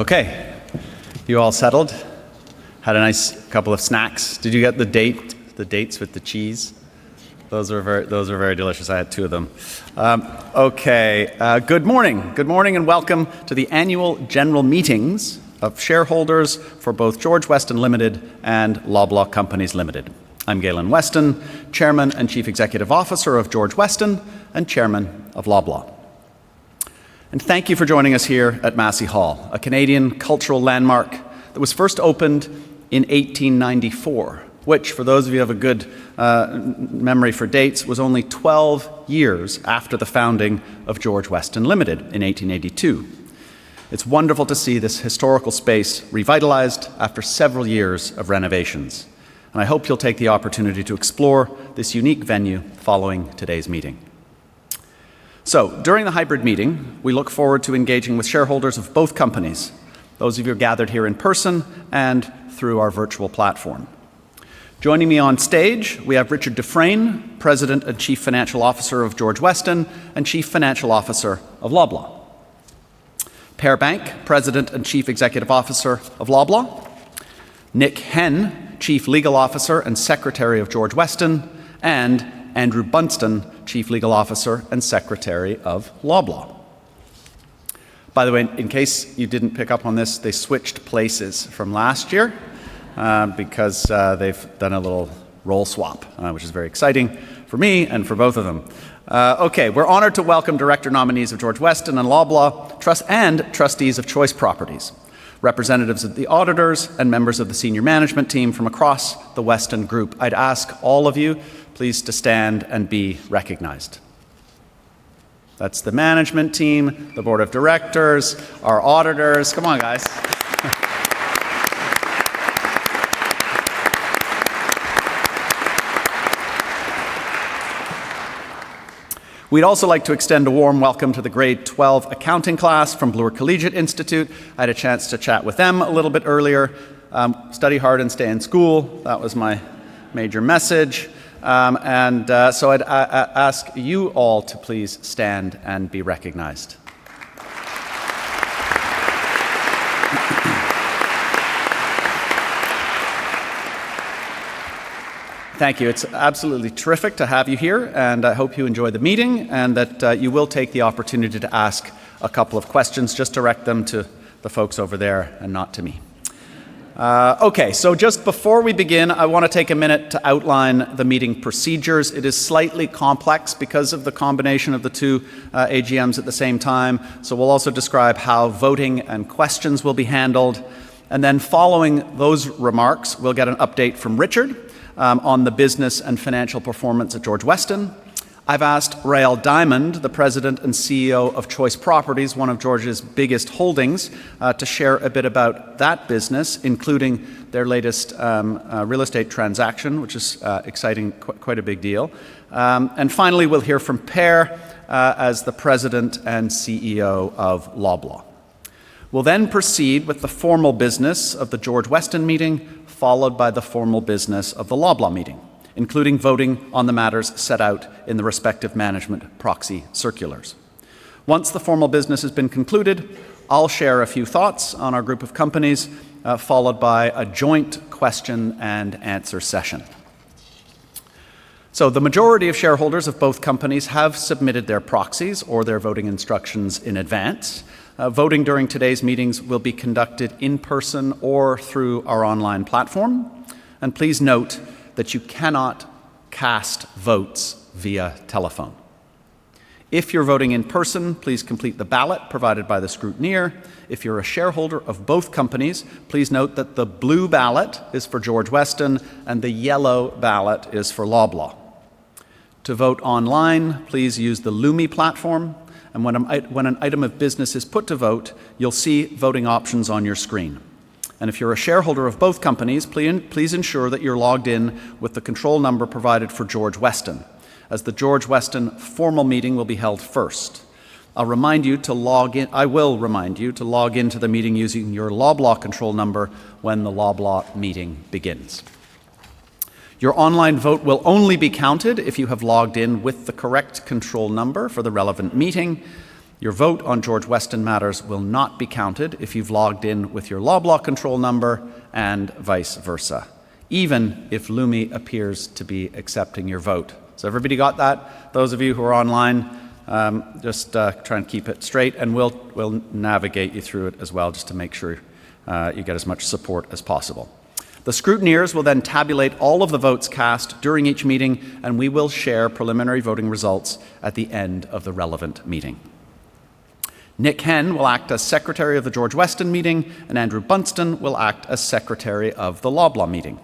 Okay. You all settled? Had a nice couple of snacks. Did you get the date, the dates with the cheese? Those are very delicious. I had two of them. Okay. Good morning. Good morning and welcome to the annual general meetings of shareholders for both George Weston Limited and Loblaw Companies Limited. I'm Galen Weston, Chairman and Chief Executive Officer of George Weston and Chairman of Loblaw. Thank you for joining us here at Massey Hall, a Canadian cultural landmark that was first opened in 1894, which for those of you who have a good memory for dates, was only 12 years after the founding of George Weston Limited in 1882. It's wonderful to see this historical space revitalized after several years of renovations, and I hope you'll take the opportunity to explore this unique venue following today's meeting. During the hybrid meeting, we look forward to engaging with shareholders of both companies, those of you gathered here in person and through our virtual platform. Joining me on stage, we have Richard Dufresne, President and Chief Financial Officer of George Weston and Chief Financial Officer of Loblaw. Per Bank, President and Chief Executive Officer of Loblaw. Nick Henn, Chief Legal Officer and Secretary of George Weston, and Andrew Bunston, Chief Legal Officer and Secretary of Loblaw. By the way, in case you didn't pick up on this, they switched places from last year, because they've done a little role swap, which is very exciting for me and for both of them. Okay. We're honored to welcome director nominees of George Weston and Loblaw Trust and trustees of Choice Properties, representatives of the auditors and members of the senior management team from across the Weston Group. I'd ask all of you please to stand and be recognized. That's the management team, the board of directors, our auditors. Come on, guys. We'd also like to extend a warm welcome to the grade 12 accounting class from Bloor Collegiate Institute. I had a chance to chat with them a little bit earlier. Study hard and stay in school. That was my major message. I'd ask you all to please stand and be recognized. Thank you. It's absolutely terrific to have you here, and I hope you enjoy the meeting and that you will take the opportunity to ask a couple of questions. Just direct them to the folks over there and not to me. Okay. Just before we begin, I want to take a minute to outline the meeting procedures. It is slightly complex because of the combination of the two AGMs at the same time, we will also describe how voting and questions will be handled. Following those remarks, we will get an update from Richard Dufresne on the business and financial performance at George Weston. I have asked Rael Diamond, the President and CEO of Choice Properties, one of George Weston's biggest holdings, to share a bit about that business, including their latest real estate transaction, which is exciting, quite a big deal. Finally, we will hear from Per Bank as the President and CEO of Loblaw. We'll then proceed with the formal business of the George Weston meeting, followed by the formal business of the Loblaw meeting, including voting on the matters set out in the respective management proxy circulars. Once the formal business has been concluded, I'll share a few thoughts on our group of companies, followed by a joint question and answer session. The majority of shareholders of both companies have submitted their proxies or their voting instructions in advance. Voting during today's meetings will be conducted in person or through our online platform. Please note that you cannot cast votes via telephone. If you're voting in person, please complete the ballot provided by the scrutineer. If you're a shareholder of both companies, please note that the blue ballot is for George Weston and the yellow ballot is for Loblaw. To vote online, please use the Lumi platform. When an item of business is put to vote, you'll see voting options on your screen. If you're a shareholder of both companies, please ensure that you're logged in with the control number provided for George Weston, as the George Weston formal meeting will be held first. I will remind you to log into the meeting using your Loblaw control number when the Loblaw meeting begins. Your online vote will only be counted if you have logged in with the correct control number for the relevant meeting. Your vote on George Weston matters will not be counted if you've logged in with your Loblaw control number, vice versa, even if Lumi appears to be accepting your vote. Everybody got that? Those of you who are online, just try and keep it straight, and we'll navigate you through it as well, just to make sure you get as much support as possible. The scrutineers will tabulate all of the votes cast during each meeting, and we will share preliminary voting results at the end of the relevant meeting. Nick Henn will act as Secretary of the George Weston meeting, Andrew Bunston will act as Secretary of the Loblaw meeting.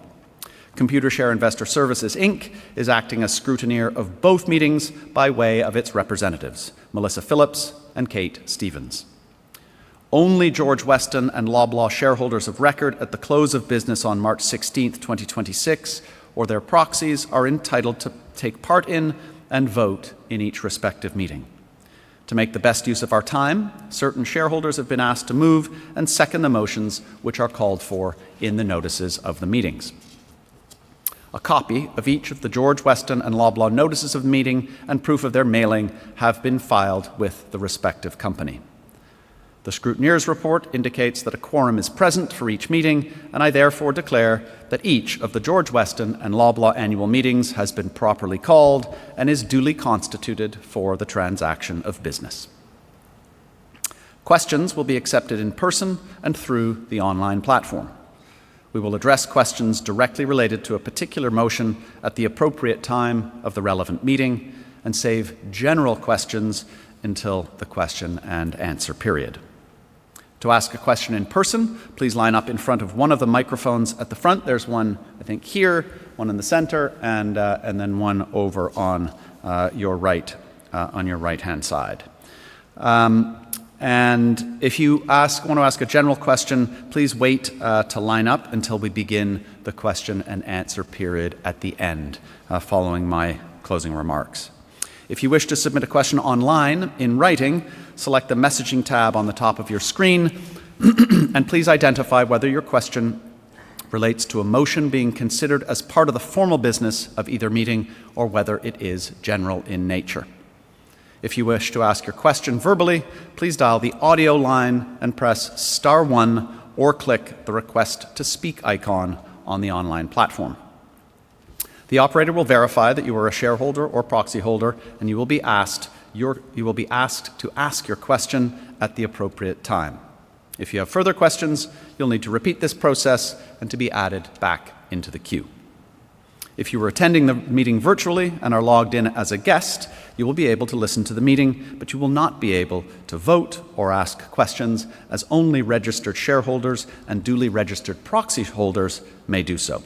Computershare Investor Services Inc is acting as scrutineer of both meetings by way of its representatives, Melissa Phillips and Kate Stevens. Only George Weston and Loblaw shareholders of record at the close of business on March 16, 2026, or their proxies, are entitled to take part in and vote in each respective meeting. To make the best use of our time, certain shareholders have been asked to move and second the motions which are called for in the notices of the meetings. A copy of each of the George Weston and Loblaw notices of meeting and proof of their mailing have been filed with the respective company. The scrutineer's report indicates that a quorum is present for each meeting, and I therefore declare that each of the George Weston and Loblaw annual meetings has been properly called and is duly constituted for the transaction of business. Questions will be accepted in person and through the online platform. We will address questions directly related to a particular motion at the appropriate time of the relevant meeting and save general questions until the question and answer period. To ask a question in person, please line up in front of one of the microphones at the front. There's one, I think, here, one in the center, and then one over on your right, on your right-hand side. If you want to ask a general question, please wait to line up until we begin the question and answer period at the end, following my closing remarks. If you wish to submit a question online in writing, select the messaging tab on the top of your screen, and please identify whether your question relates to a motion being considered as part of the formal business of either meeting or whether it is general in nature. If you wish to ask your question verbally, please dial the audio line and press star one or click the Request to Speak icon on the online platform. The operator will verify that you are a shareholder or proxy holder, and you will be asked to ask your question at the appropriate time. If you have further questions, you will need to repeat this process and to be added back into the queue. If you are attending the meeting virtually and are logged in as a guest, you will be able to listen to the meeting, but you will not be able to vote or ask questions, as only registered shareholders and duly registered proxy holders may do so.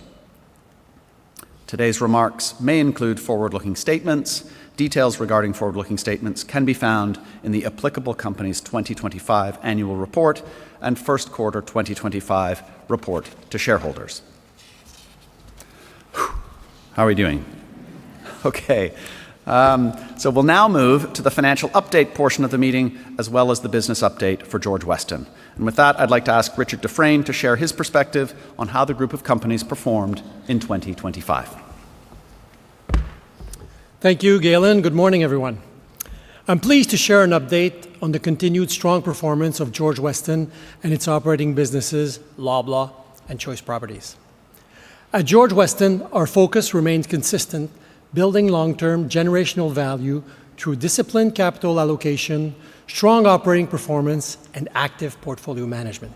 Today's remarks may include forward-looking statements. Details regarding forward-looking statements can be found in the applicable company's 2025 annual report and first quarter 2025 report to shareholders. How are we doing? Okay. We'll now move to the financial update portion of the meeting as well as the business update for George Weston. With that, I'd like to ask Richard Dufresne to share his perspective on how the group of companies performed in 2025. Thank you, Galen. Good morning, everyone. I'm pleased to share an update on the continued strong performance of George Weston and its operating businesses, Loblaw and Choice Properties. At George Weston, our focus remains consistent, building long-term generational value through disciplined capital allocation, strong operating performance, and active portfolio management.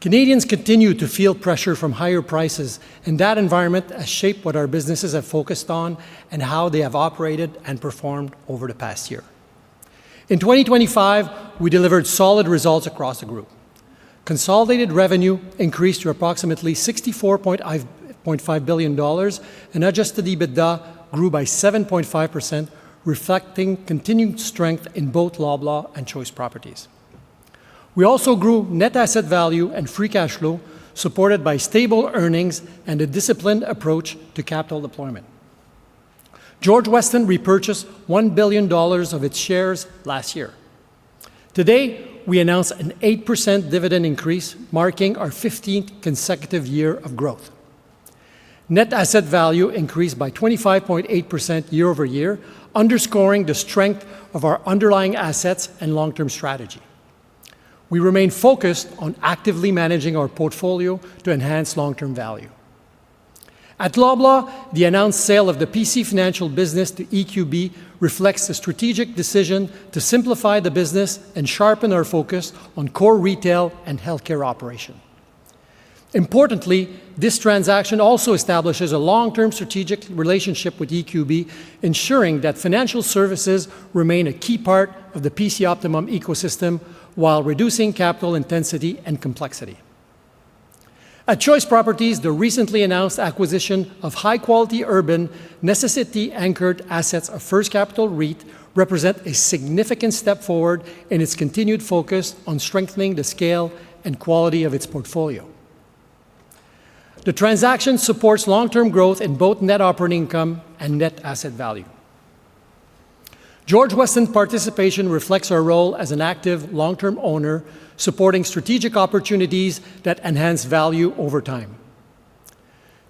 Canadians continue to feel pressure from higher prices. That environment has shaped what our businesses have focused on and how they have operated and performed over the past year. In 2025, we delivered solid results across the group. Consolidated revenue increased to approximately 64.5 billion dollars. Adjusted EBITDA grew by 7.5%, reflecting continued strength in both Loblaw and Choice Properties. We also grew net asset value and free cash flow, supported by stable earnings and a disciplined approach to capital deployment. George Weston repurchased 1 billion dollars of its shares last year. Today, we announce an 8% dividend increase, marking our 15th consecutive year of growth. Net asset value increased by 25.8% year-over-year, underscoring the strength of our underlying assets and long-term strategy. We remain focused on actively managing our portfolio to enhance long-term value. At Loblaw, the announced sale of the PC Financial business to EQB reflects the strategic decision to simplify the business and sharpen our focus on core retail and healthcare operation. Importantly, this transaction also establishes a long-term strategic relationship with EQB, ensuring that financial services remain a key part of the PC Optimum ecosystem while reducing capital intensity and complexity. At Choice Properties, the recently announced acquisition of high-quality urban necessity-anchored assets of First Capital REIT represent a significant step forward in its continued focus on strengthening the scale and quality of its portfolio. The transaction supports long-term growth in both net operating income and net asset value. George Weston's participation reflects our role as an active long-term owner, supporting strategic opportunities that enhance value over time.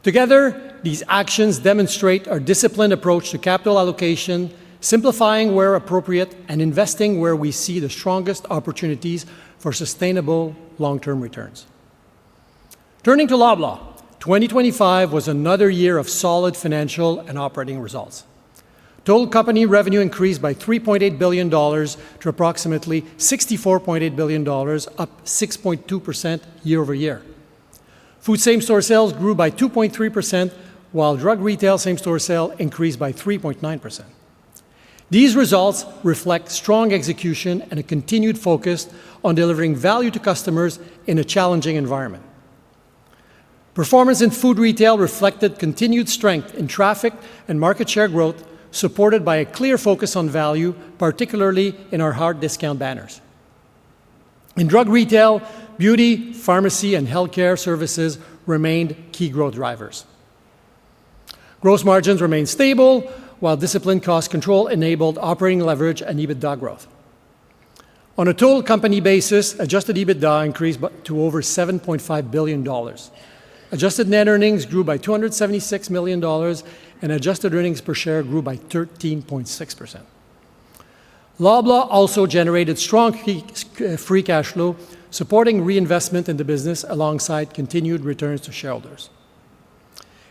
Together, these actions demonstrate our disciplined approach to capital allocation, simplifying where appropriate, and investing where we see the strongest opportunities for sustainable long-term returns. Turning to Loblaw, 2025 was another year of solid financial and operating results. Total company revenue increased by 3.8 billion dollars to approximately 64.8 billion dollars, up 6.2% year-over-year. Food same-store sales grew by 2.3%, while drug retail same-store sale increased by 3.9%. These results reflect strong execution and a continued focus on delivering value to customers in a challenging environment. Performance in food retail reflected continued strength in traffic and market share growth, supported by a clear focus on value, particularly in our Hard Discount banners. In drug retail, beauty, pharmacy, and healthcare services remained key growth drivers. Gross margins remained stable, while disciplined cost control enabled operating leverage and EBITDA growth. On a total company basis, adjusted EBITDA increased to over 7.5 billion dollars. Adjusted net earnings grew by 276 million dollars, and adjusted earnings per share grew by 13.6%. Loblaw also generated strong free cash flow, supporting reinvestment in the business alongside continued returns to shareholders.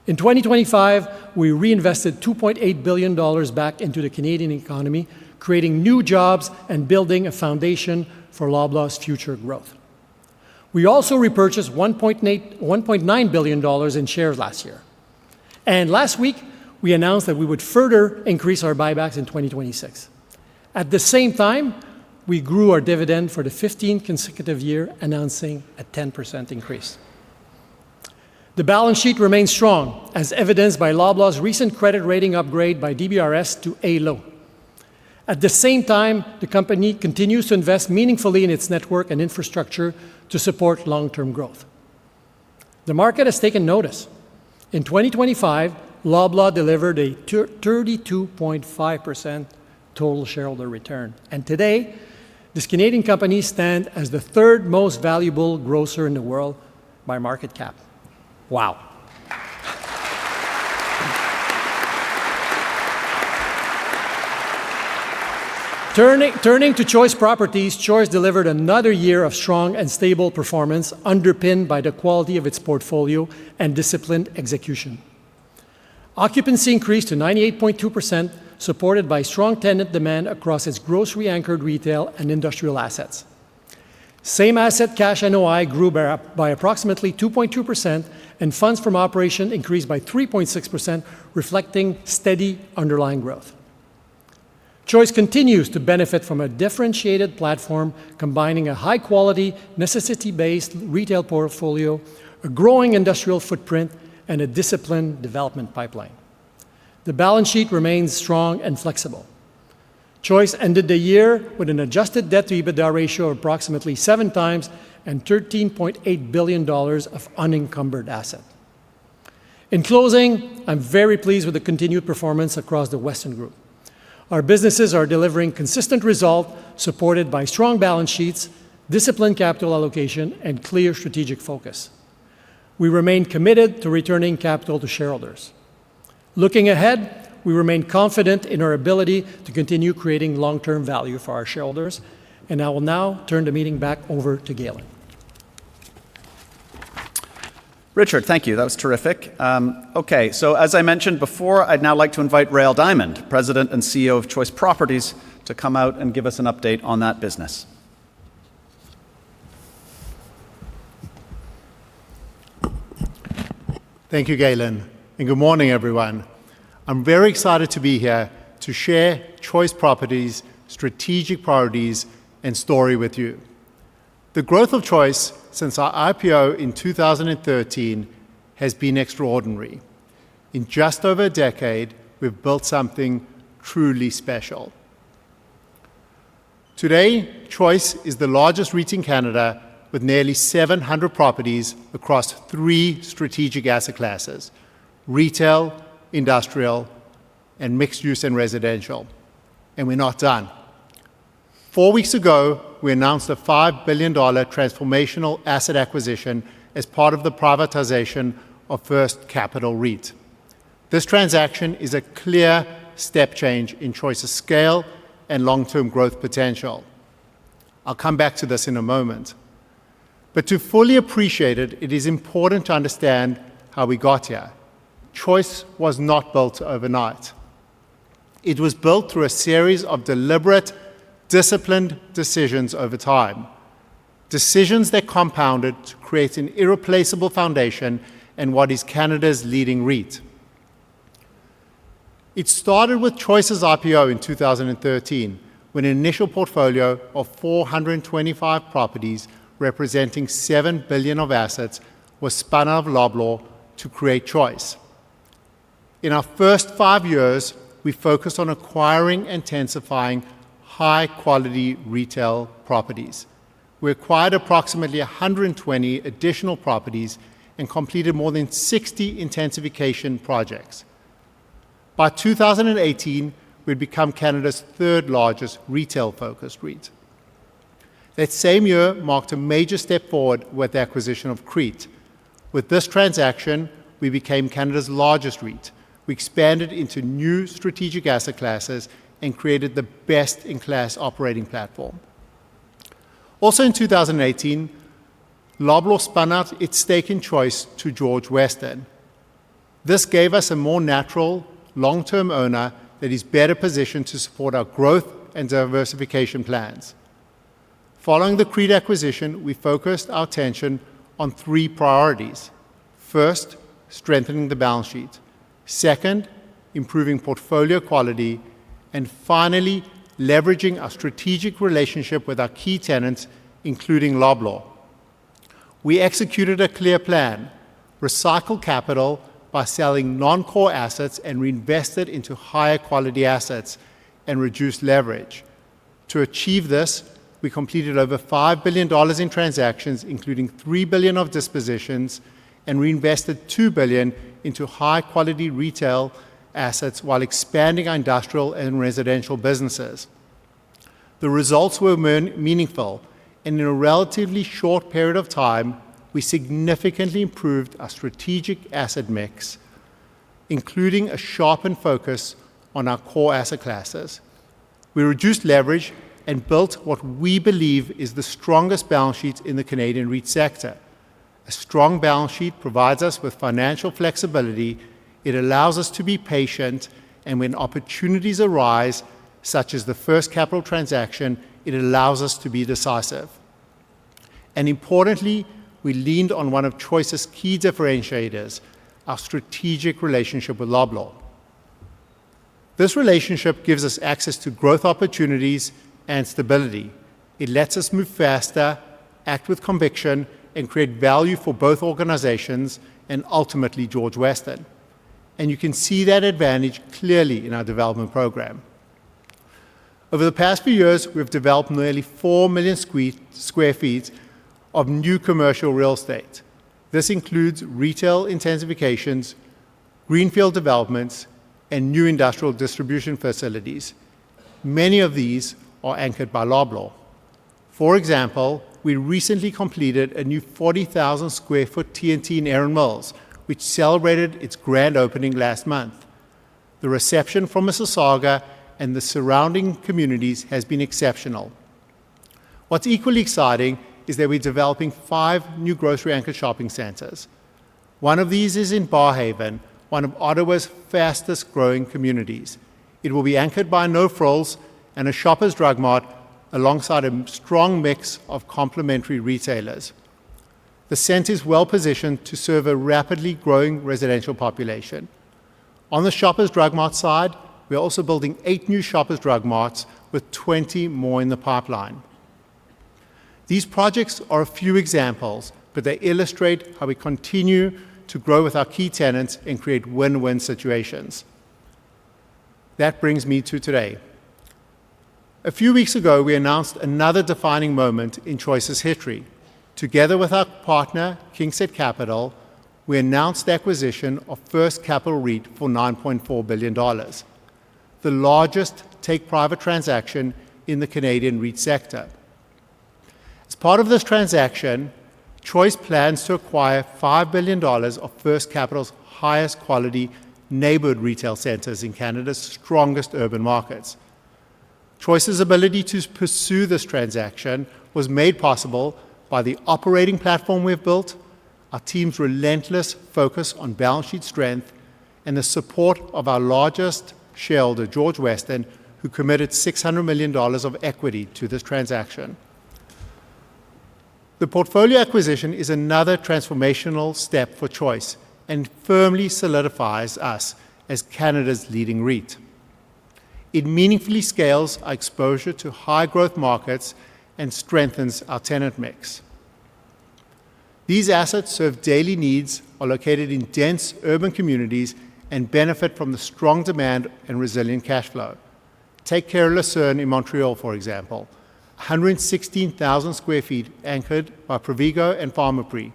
In 2025, we reinvested 2.8 billion dollars back into the Canadian economy, creating new jobs and building a foundation for Loblaw's future growth. We also repurchased 1.9 billion dollars in shares last year, and last week we announced that we would further increase our buybacks in 2026. At the same time, we grew our dividend for the 15th consecutive year, announcing a 10% increase. The balance sheet remains strong, as evidenced by Loblaw's recent credit rating upgrade by DBRS to A Low. At the same time, the company continues to invest meaningfully in its network and infrastructure to support long-term growth. The market has taken notice. In 2025, Loblaw delivered a 32.5% total shareholder return, and today this Canadian company stands as the third most valuable grocer in the world by market cap. Wow. Turning to Choice Properties, Choice delivered another year of strong and stable performance underpinned by the quality of its portfolio and disciplined execution. Occupancy increased to 98.2%, supported by strong tenant demand across its grocery anchored retail and industrial assets. Same asset cash NOI grew by approximately 2.2% and funds from operations increased by 3.6%, reflecting steady underlying growth. Choice continues to benefit from a differentiated platform combining a high quality, necessity-based retail portfolio, a growing industrial footprint, and a disciplined development pipeline. The balance sheet remains strong and flexible. Choice ended the year with an adjusted debt to EBITDA ratio of approximately seven times and 13.8 billion dollars of unencumbered asset. In closing, I'm very pleased with the continued performance across the Weston Group. Our businesses are delivering consistent result supported by strong balance sheets, disciplined capital allocation, and clear strategic focus. We remain committed to returning capital to shareholders. Looking ahead, we remain confident in our ability to continue creating long-term value for our shareholders, and I will now turn the meeting back over to Galen. Richard, thank you. That was terrific. Okay. As I mentioned before, I'd now like to invite Rael Diamond, President and Chief Executive Officer of Choice Properties, to come out and give us an update on that business. Thank you, Galen. Good morning, everyone. I'm very excited to be here to share Choice Properties' strategic priorities and story with you. The growth of Choice since our IPO in 2013 has been extraordinary. In just over a decade, we've built something truly special. Today, Choice is the largest REIT in Canada with nearly 700 properties across three strategic asset classes: retail, industrial, and mixed use and residential. We're not done. Four weeks ago, we announced a 5 billion dollar transformational asset acquisition as part of the privatization of First Capital REIT. This transaction is a clear step change in Choice's scale and long-term growth potential. I'll come back to this in a moment. To fully appreciate it is important to understand how we got here. Choice was not built overnight. It was built through a series of deliberate, disciplined decisions over time, decisions that compounded to create an irreplaceable foundation in what is Canada's leading REIT. It started with Choice's IPO in 2013, when an initial portfolio of 425 properties representing 7 billion of assets was spun out of Loblaw to create Choice. In our first five years, we focused on acquiring and intensifying high-quality retail properties. We acquired approximately 120 additional properties and completed more than 60 intensification projects. By 2018, we'd become Canada's third-largest retail-focused REIT. That same year marked a major step forward with the acquisition of CREIT. With this transaction, we became Canada's largest REIT. We expanded into new strategic asset classes and created the best-in-class operating platform. Also in 2018, Loblaw spun out its stake in Choice to George Weston. This gave us a more natural long-term owner that is better positioned to support our growth and diversification plans. Following the CREIT acquisition, we focused our attention on three priorities. First, strengthening the balance sheet. Second, improving portfolio quality. Finally, leveraging our strategic relationship with our key tenants, including Loblaw. We executed a clear plan, recycle capital by selling non-core assets and reinvest it into higher quality assets and reduce leverage. To achieve this, we completed over 5 billion dollars in transactions, including 3 billion of dispositions, and reinvested 2 billion into high-quality retail assets while expanding our industrial and residential businesses. The results were meaningful. In a relatively short period of time, we significantly improved our strategic asset mix, including a sharpened focus on our core asset classes. We reduced leverage and built what we believe is the strongest balance sheet in the Canadian REIT sector. A strong balance sheet provides us with financial flexibility. It allows us to be patient, when opportunities arise, such as the First Capital REIT transaction, it allows us to be decisive. Importantly, we leaned on one of Choice's key differentiators, our strategic relationship with Loblaw. This relationship gives us access to growth opportunities and stability. It lets us move faster, act with conviction, and create value for both organizations, and ultimately George Weston. You can see that advantage clearly in our development program. Over the past few years, we've developed nearly 4 million sq ft of new commercial real estate. This includes retail intensifications, greenfield developments, and new industrial distribution facilities. Many of these are anchored by Loblaw. For example, we recently completed a new 40,000 sq ft T&T Supermarket in Erin Mills, which celebrated its grand opening last month. The reception from Mississauga and the surrounding communities has been exceptional. What's equally exciting is that we're developing five new grocery anchor shopping centers. One of these is in Barrhaven, one of Ottawa's fastest growing communities. It will be anchored by No Frills and a Shoppers Drug Mart alongside a strong mix of complementary retailers. The center's well-positioned to serve a rapidly growing residential population. On the Shoppers Drug Mart side, we're also building eight new Shoppers Drug Marts with 20 more in the pipeline. These projects are a few examples, they illustrate how we continue to grow with our key tenants and create win-win situations. That brings me to today. A few weeks ago, we announced another defining moment in Choice Properties' history. Together with our partner, KingSett Capital, we announced the acquisition of First Capital REIT for 9.4 billion dollars, the largest take private transaction in the Canadian REIT sector. As part of this transaction, Choice plans to acquire 5 billion dollars of First Capital's highest quality neighborhood retail centers in Canada's strongest urban markets. Choice's ability to pursue this transaction was made possible by the operating platform we've built, our team's relentless focus on balance sheet strength, and the support of our largest shareholder, George Weston, who committed 600 million dollars of equity to this transaction. The portfolio acquisition is another transformational step for Choice and firmly solidifies us as Canada's leading REIT. It meaningfully scales our exposure to high growth markets and strengthens our tenant mix. These assets serve daily needs, are located in dense urban communities, and benefit from the strong demand and resilient cash flow. Carré Lucerne in Montreal, for example, 116,000 sq ft anchored by Provigo and Pharmaprix.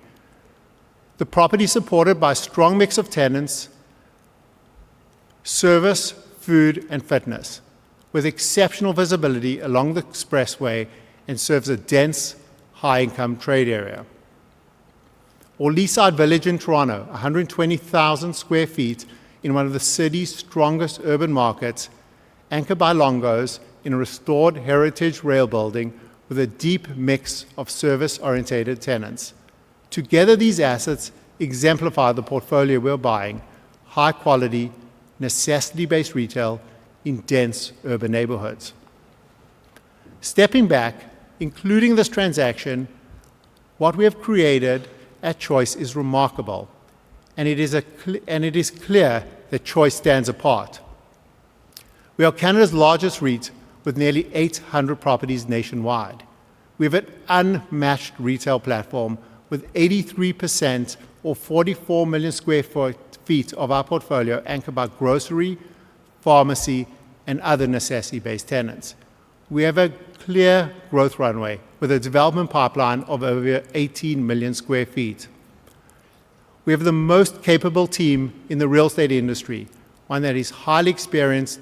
The property's supported by a strong mix of tenants, service, food, and fitness, with exceptional visibility along the expressway and serves a dense high-income trade area. Leaside Village in Toronto, 120,000 sq ft in one of the city's strongest urban markets, anchored by Longo's in a restored heritage rail building with a deep mix of service-oriented tenants. Together, these assets exemplify the portfolio we're buying: high quality, necessity-based retail in dense urban neighborhoods. Stepping back, including this transaction, what we have created at Choice is remarkable, and it is clear that Choice stands apart. We are Canada's largest REIT with nearly 800 properties nationwide. We have an unmatched retail platform with 83% or 44 million square feet of our portfolio anchored by grocery, pharmacy, and other necessity-based tenants. We have a clear growth runway with a development pipeline of over 18 million sq ft. We have the most capable team in the real estate industry, one that is highly experienced,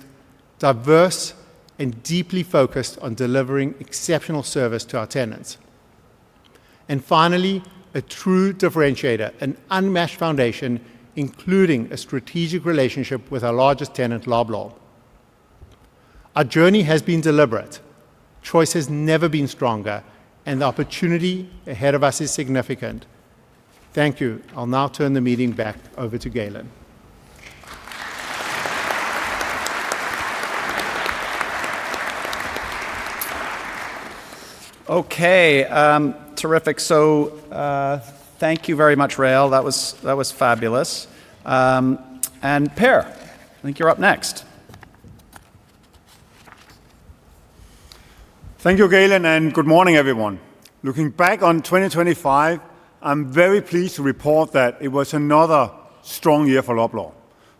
diverse, and deeply focused on delivering exceptional service to our tenants. Finally, a true differentiator, an unmatched foundation, including a strategic relationship with our largest tenant, Loblaw. Our journey has been deliberate. Choice has never been stronger. The opportunity ahead of us is significant. Thank you. I'll now turn the meeting back over to Galen. Okay. Terrific. Thank you very much, Rael. That was fabulous. Per, I think you're up next. Thank you, Galen, and good morning, everyone. Looking back on 2025, I'm very pleased to report that it was another strong year for Loblaw.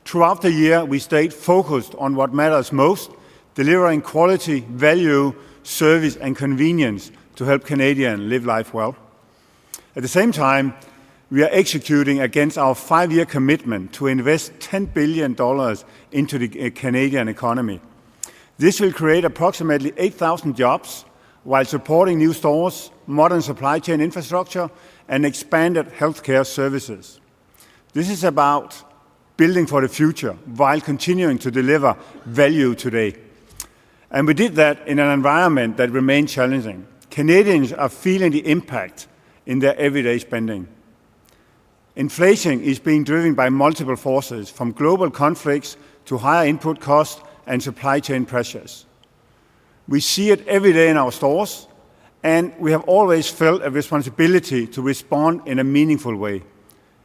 Throughout the year, we stayed focused on what matters most, delivering quality, value, service, and convenience to help Canadians live life well. At the same time, we are executing against our five-year commitment to invest 10 billion dollars into the Canadian economy. This will create approximately 8,000 jobs while supporting new stores, modern supply chain infrastructure, and expanded healthcare services. This is about building for the future while continuing to deliver value today. We did that in an environment that remained challenging. Canadians are feeling the impact in their everyday spending. Inflation is being driven by multiple forces from global conflicts to higher input costs and supply chain pressures. We see it every day in our stores. We have always felt a responsibility to respond in a meaningful way.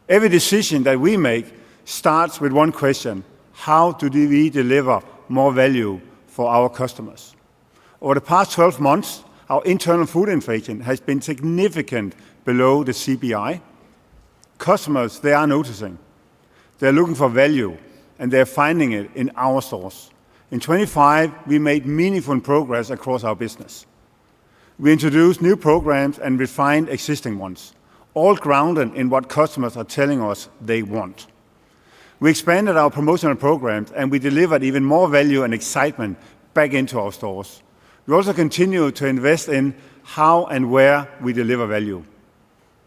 Every decision that we make starts with one question: How do we deliver more value for our customers? Over the past 12 months, our internal food inflation has been significantly below the CPI. Customers, they are noticing. They're looking for value. They're finding it in our stores. In 2025, we made meaningful progress across our business. We introduced new programs and refined existing ones, all grounded in what customers are telling us they want. We expanded our promotional programs. We delivered even more value and excitement back into our stores. We also continued to invest in how and where we deliver value.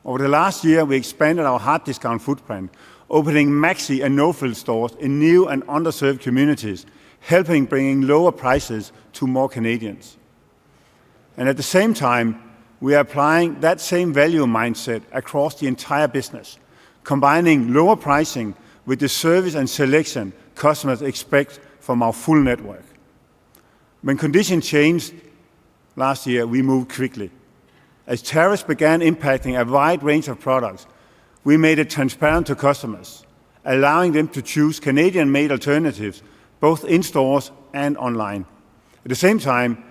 Over the last year, we expanded our Hard Discount footprint, opening Maxi and No Frills stores in new and underserved communities, helping bringing lower prices to more Canadians. At the same time, we are applying that same value mindset across the entire business, combining lower pricing with the service and selection customers expect from our full network. When conditions changed last year, we moved quickly. As tariffs began impacting a wide range of products, we made it transparent to customers, allowing them to choose Canadian-made alternatives, both in stores and online. At the same time,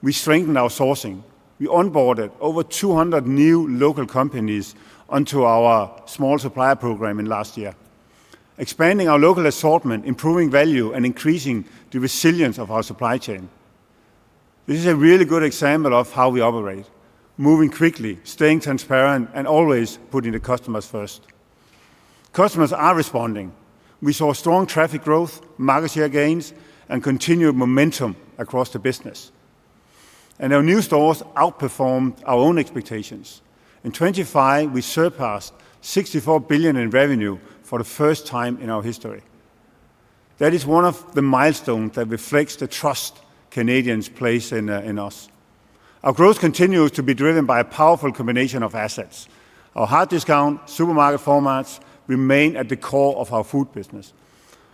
we strengthened our sourcing. We onboarded over 200 new local companies onto our small supplier program in last year, expanding our local assortment, improving value, and increasing the resilience of our supply chain. This is a really good example of how we operate, moving quickly, staying transparent, and always putting the customers first. Customers are responding. We saw strong traffic growth, market share gains, and continued momentum across the business, our new stores outperformed our own expectations. In 2025, we surpassed 64 billion in revenue for the first time in our history. That is one of the milestones that reflects the trust Canadians place in us. Our growth continues to be driven by a powerful combination of assets. Our Hard Discount supermarket formats remain at the core of our food business.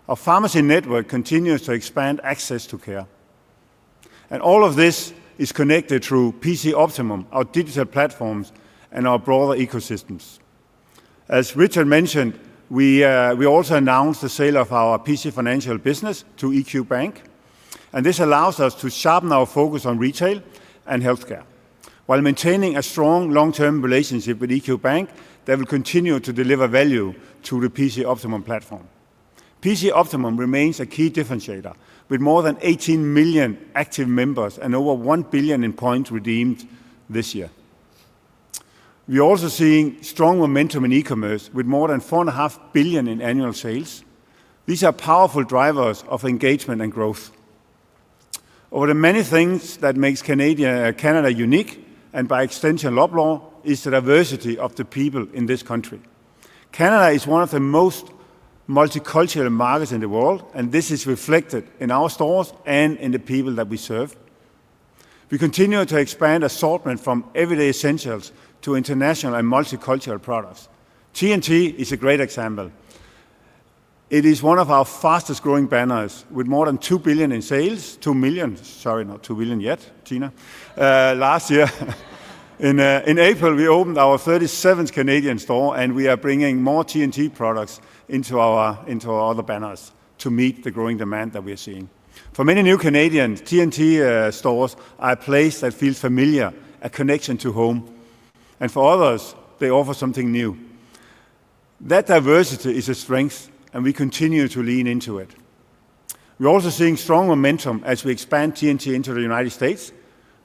Our pharmacy network continues to expand access to care. All of this is connected through PC Optimum, our digital platforms, and our broader ecosystems. As Richard mentioned, we also announced the sale of our PC Financial business to EQ Bank, and this allows us to sharpen our focus on retail and healthcare while maintaining a strong long-term relationship with EQ Bank that will continue to deliver value to the PC Optimum platform. PC Optimum remains a key differentiator with more than 18 million active members and over 1 billion in points redeemed this year. We're also seeing strong momentum in e-commerce with more than 4.5 billion in annual sales. These are powerful drivers of engagement and growth. Over the many things that makes Canada unique, and by extension, Loblaw, is the diversity of the people in this country. Canada is one of the most multicultural markets in the world, and this is reflected in our stores and in the people that we serve. We continue to expand assortment from everyday essentials to international and multicultural products. T&T is a great example. It is one of our fastest-growing banners with more than 2 billion in sales, 2 million, sorry, not 2 billion yet, Tina, last year. In April, we opened our 37th Canadian store, and we are bringing more T&T products into our other banners to meet the growing demand that we are seeing. For many new Canadians, T&T stores are a place that feels familiar, a connection to home, and for others, they offer something new. That diversity is a strength, and we continue to lean into it. We're also seeing strong momentum as we expand T&T into the U.S.,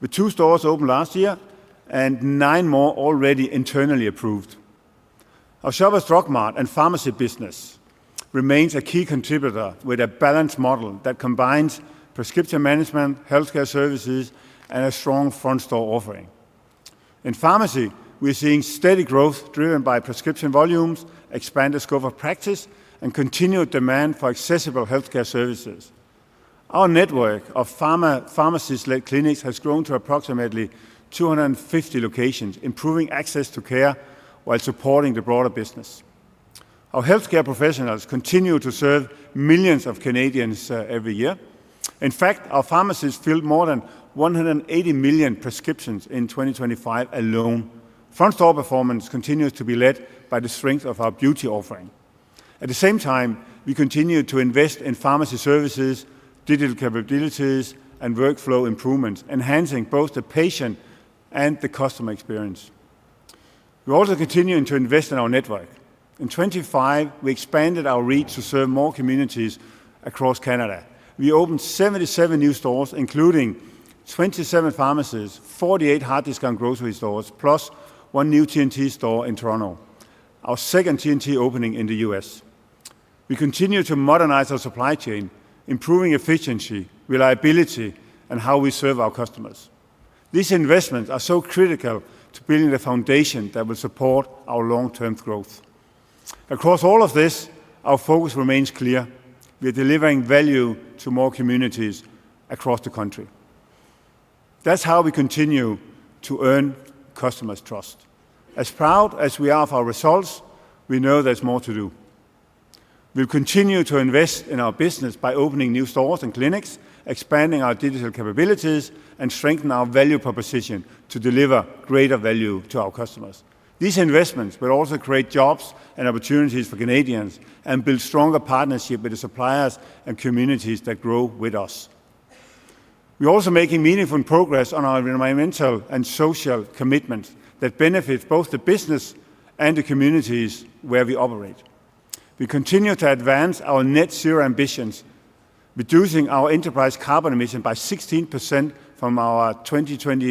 with two stores opened last year and nine more already internally approved. Our Shoppers Drug Mart and pharmacy business remains a key contributor with a balanced model that combines prescription management, healthcare services, and a strong front-store offering. In pharmacy, we're seeing steady growth driven by prescription volumes, expanded scope of practice, and continued demand for accessible healthcare services. Our network of pharmacist-led clinics has grown to approximately 250 locations, improving access to care while supporting the broader business. Our healthcare professionals continue to serve millions of Canadians every year. In fact, our pharmacists filled more than 180 million prescriptions in 2025 alone. Front-store performance continues to be led by the strength of our beauty offering. At the same time, we continue to invest in pharmacy services, digital capabilities, and workflow improvements, enhancing both the patient and the customer experience. We're also continuing to invest in our network. In 2025, we expanded our reach to serve more communities across Canada. We opened 77 new stores, including 27 pharmacies, 48 Hard Discount grocery stores, plus 1 new T&T store in Toronto, our second T&T opening in the U.S. We continue to modernize our supply chain, improving efficiency, reliability, and how we serve our customers. These investments are so critical to building the foundation that will support our long-term growth. Across all of this, our focus remains clear. We're delivering value to more communities across the country. That's how we continue to earn customers' trust. As proud as we are of our results, we know there's more to do. We'll continue to invest in our business by opening new stores and clinics, expanding our digital capabilities, and strengthen our value proposition to deliver greater value to our customers. These investments will also create jobs and opportunities for Canadians and build stronger partnership with the suppliers and communities that grow with us. We're also making meaningful progress on our environmental and social commitments that benefit both the business and the communities where we operate. We continue to advance our net zero ambitions, reducing our enterprise carbon emission by 16% from our 2020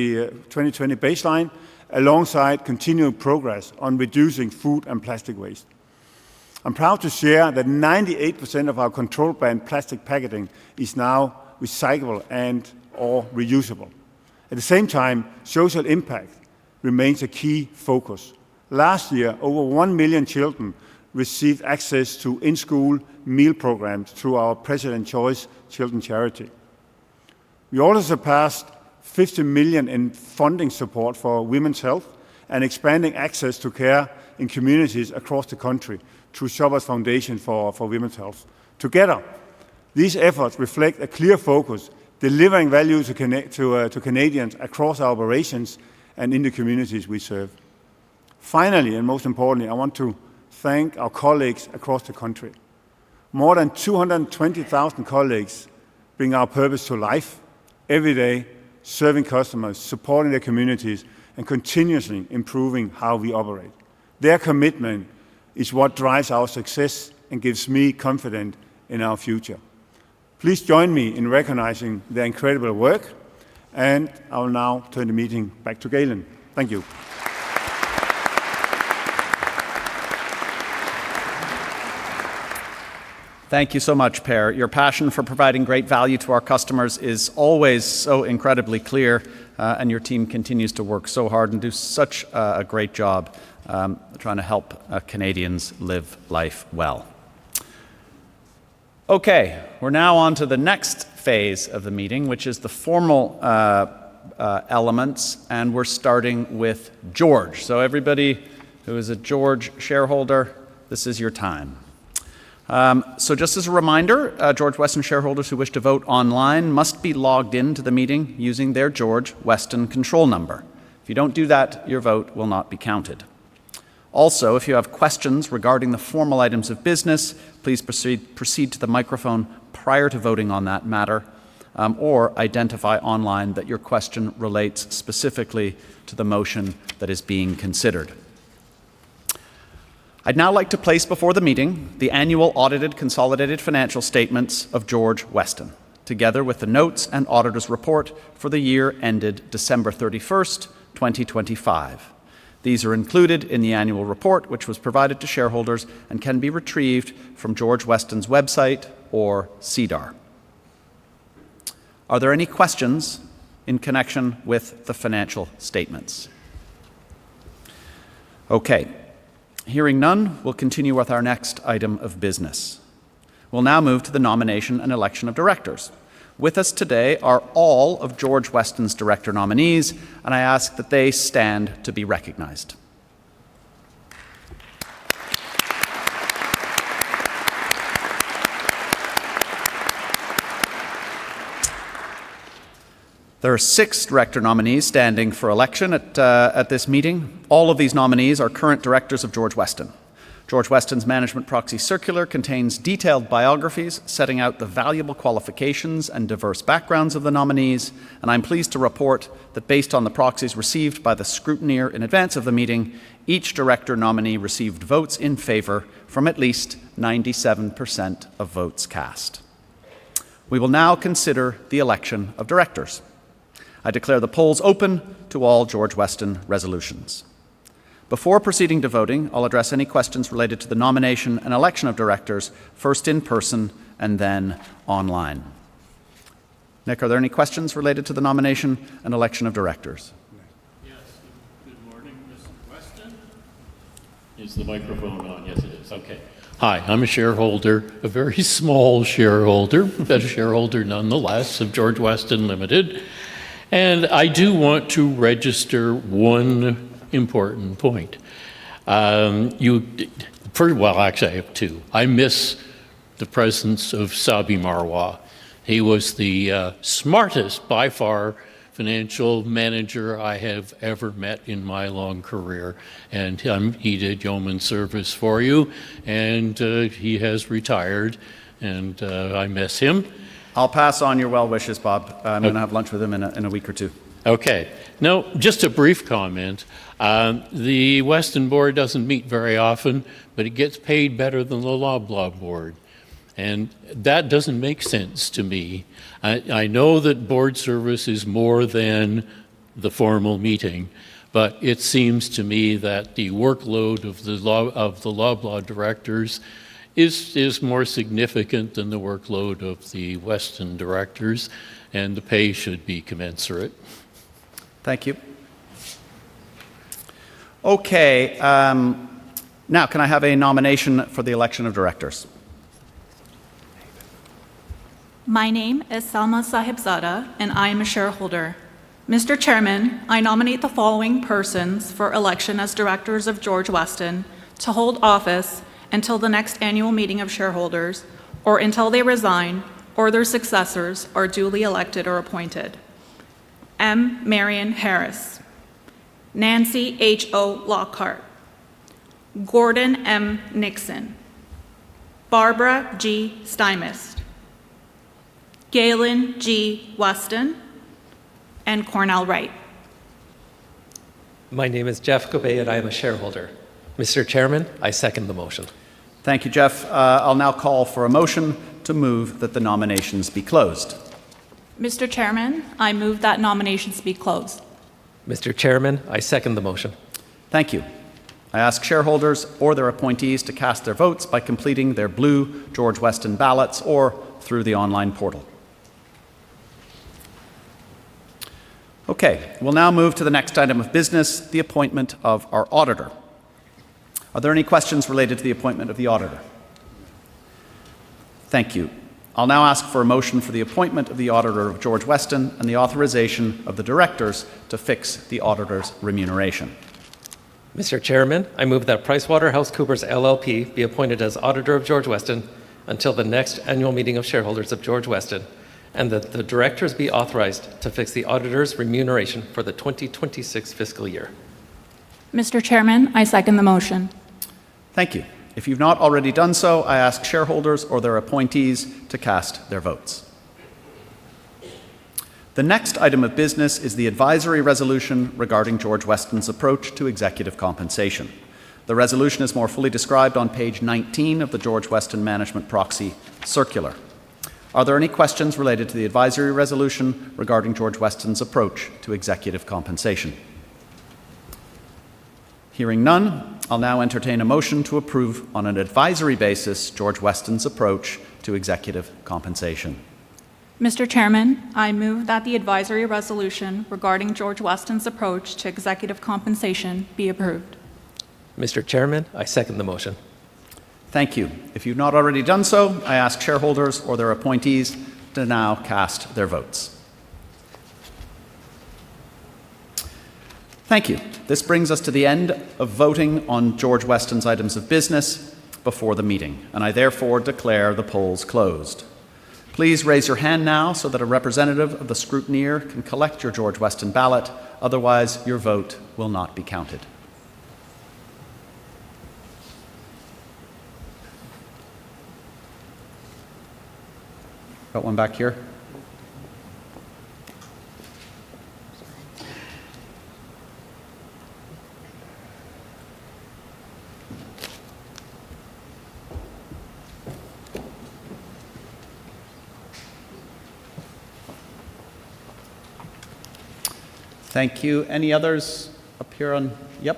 baseline, alongside continuing progress on reducing food and plastic waste. I'm proud to share that 98% of our controlled brand plastic packaging is now recyclable and or reusable. At the same time, social impact remains a key focus. Last year, over 1 million children received access to in-school meal programs through our President's Choice Children's Charity. We also surpassed 50 million in funding support for women's health and expanding access to care in communities across the country through Shoppers Foundation for Women's Health. Together, these efforts reflect a clear focus, delivering value to Canadians across our operations and in the communities we serve. Finally, most importantly, I want to thank our colleagues across the country. More than 220,000 colleagues bring our purpose to life every day, serving customers, supporting their communities, and continuously improving how we operate. Their commitment is what drives our success and gives me confidence in our future. Please join me in recognizing their incredible work, and I will now turn the meeting back to Galen. Thank you. Thank you so much, Per. Your passion for providing great value to our customers is always so incredibly clear, and your team continues to work so hard and do such a great job trying to help Canadians live life well. Okay, we're now on to the next phase of the meeting, which is the formal elements, and we're starting with George. Everybody who is a George shareholder, this is your time. Just as a reminder, George Weston shareholders who wish to vote online must be logged into the meeting using their George Weston control number. If you don't do that, your vote will not be counted. Also, if you have questions regarding the formal items of business, please proceed to the microphone prior to voting on that matter, or identify online that your question relates specifically to the motion that is being considered. I'd now like to place before the meeting the annual audited consolidated financial statements of George Weston, together with the notes and auditor's report for the year ended December 31st, 2025. These are included in the annual report, which was provided to shareholders and can be retrieved from George Weston's website or SEDAR. Are there any questions in connection with the financial statements? Okay. Hearing none, we'll continue with our next item of business. We'll now move to the nomination and election of directors. With us today are all of George Weston's director nominees, and I ask that they stand to be recognized. There are six director nominees standing for election at this meeting. All of these nominees are current directors of George Weston. George Weston's management proxy circular contains detailed biographies setting out the valuable qualifications and diverse backgrounds of the nominees, and I'm pleased to report that based on the proxies received by the scrutineer in advance of the meeting, each director nominee received votes in favor from at least 97% of votes cast. We will now consider the election of directors. I declare the polls open to all George Weston resolutions. Before proceeding to voting, I'll address any questions related to the nomination and election of directors, first in person and then online. Nick, are there any questions related to the nomination and election of directors? Yes. Good morning, Mr. Weston. Is the microphone on? Yes, it is. Hi, I am a shareholder, a very small shareholder, but a shareholder nonetheless of George Weston Limited, and I do want to register one important point. Actually, I have two. I miss the presence of Sarabjit S. Marwah. He was the smartest, by far, financial manager I have ever met in my long career, and he did yeoman service for you. He has retired, and I miss him. I'll pass on your well wishes, Bob. Okay. I'm gonna have lunch with him in a, in a week or two. Okay. Just a brief comment. The Weston board doesn't meet very often, it gets paid better than the Loblaw board, that doesn't make sense to me. I know that board service is more than the formal meeting, it seems to me that the workload of the Loblaw directors is more significant than the workload of the Weston directors, the pay should be commensurate. Thank you. Okay. Now can I have a nomination for the election of directors? My name is Salma Sahibzada, and I am a shareholder. Mr. Chairman, I nominate the following persons for election as directors of George Weston to hold office until the next annual meeting of shareholders or until they resign or their successors are duly elected or appointed. M. Marianne Harris, Nancy H.O. Lockhart, Gordon M. Nixon, Barbara G. Stymiest, Galen G. Weston, and Cornell Wright. My name is Jeff Cobay, and I am a shareholder. Mr. Chairman, I second the motion. Thank you, Jeff. I'll now call for a motion to move that the nominations be closed. Mr. Chairman, I move that nominations be closed. Mr. Chairman, I second the motion. Thank you. I ask shareholders or their appointees to cast their votes by completing their blue George Weston ballots or through the online portal. Okay. We'll now move to the next item of business, the appointment of our auditor. Are there any questions related to the appointment of the auditor? Thank you. I'll now ask for a motion for the appointment of the auditor of George Weston and the authorization of the directors to fix the auditor's remuneration. Mr. Chairman, I move that PricewaterhouseCoopers LLP be appointed as auditor of George Weston until the next annual meeting of shareholders of George Weston and that the directors be authorized to fix the auditor's remuneration for the 2026 fiscal year. Mr. Chairman, I second the motion. Thank you. If you've not already done so, I ask shareholders or their appointees to cast their votes. The next item of business is the advisory resolution regarding George Weston's approach to executive compensation. The resolution is more fully described on page 19 of the George Weston management proxy circular. Are there any questions related to the advisory resolution regarding George Weston's approach to executive compensation? Hearing none, I'll now entertain a motion to approve on an advisory basis George Weston's approach to executive compensation. Mr. Chairman, I move that the advisory resolution regarding George Weston's approach to executive compensation be approved. Mr. Chairman, I second the motion. Thank you. If you've not already done so, I ask shareholders or their appointees to now cast their votes. Thank you. This brings us to the end of voting on George Weston's items of business before the meeting, and I therefore declare the polls closed. Please raise your hand now so that a representative of the scrutineer can collect your George Weston ballot. Otherwise, your vote will not be counted. Got one back here. Thank you. Any others up here on Yep.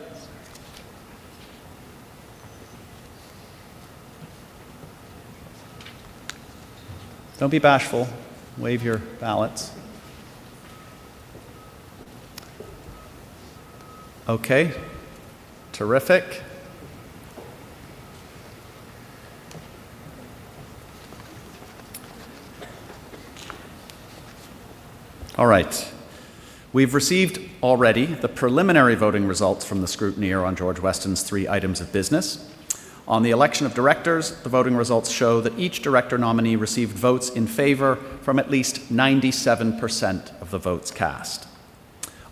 Don't be bashful. Wave your ballots. Okay, terrific. All right. We've received already the preliminary voting results from the scrutineer on George Weston's 3 items of business. On the election of directors, the voting results show that each director nominee received votes in favor from at least 97% of the votes cast.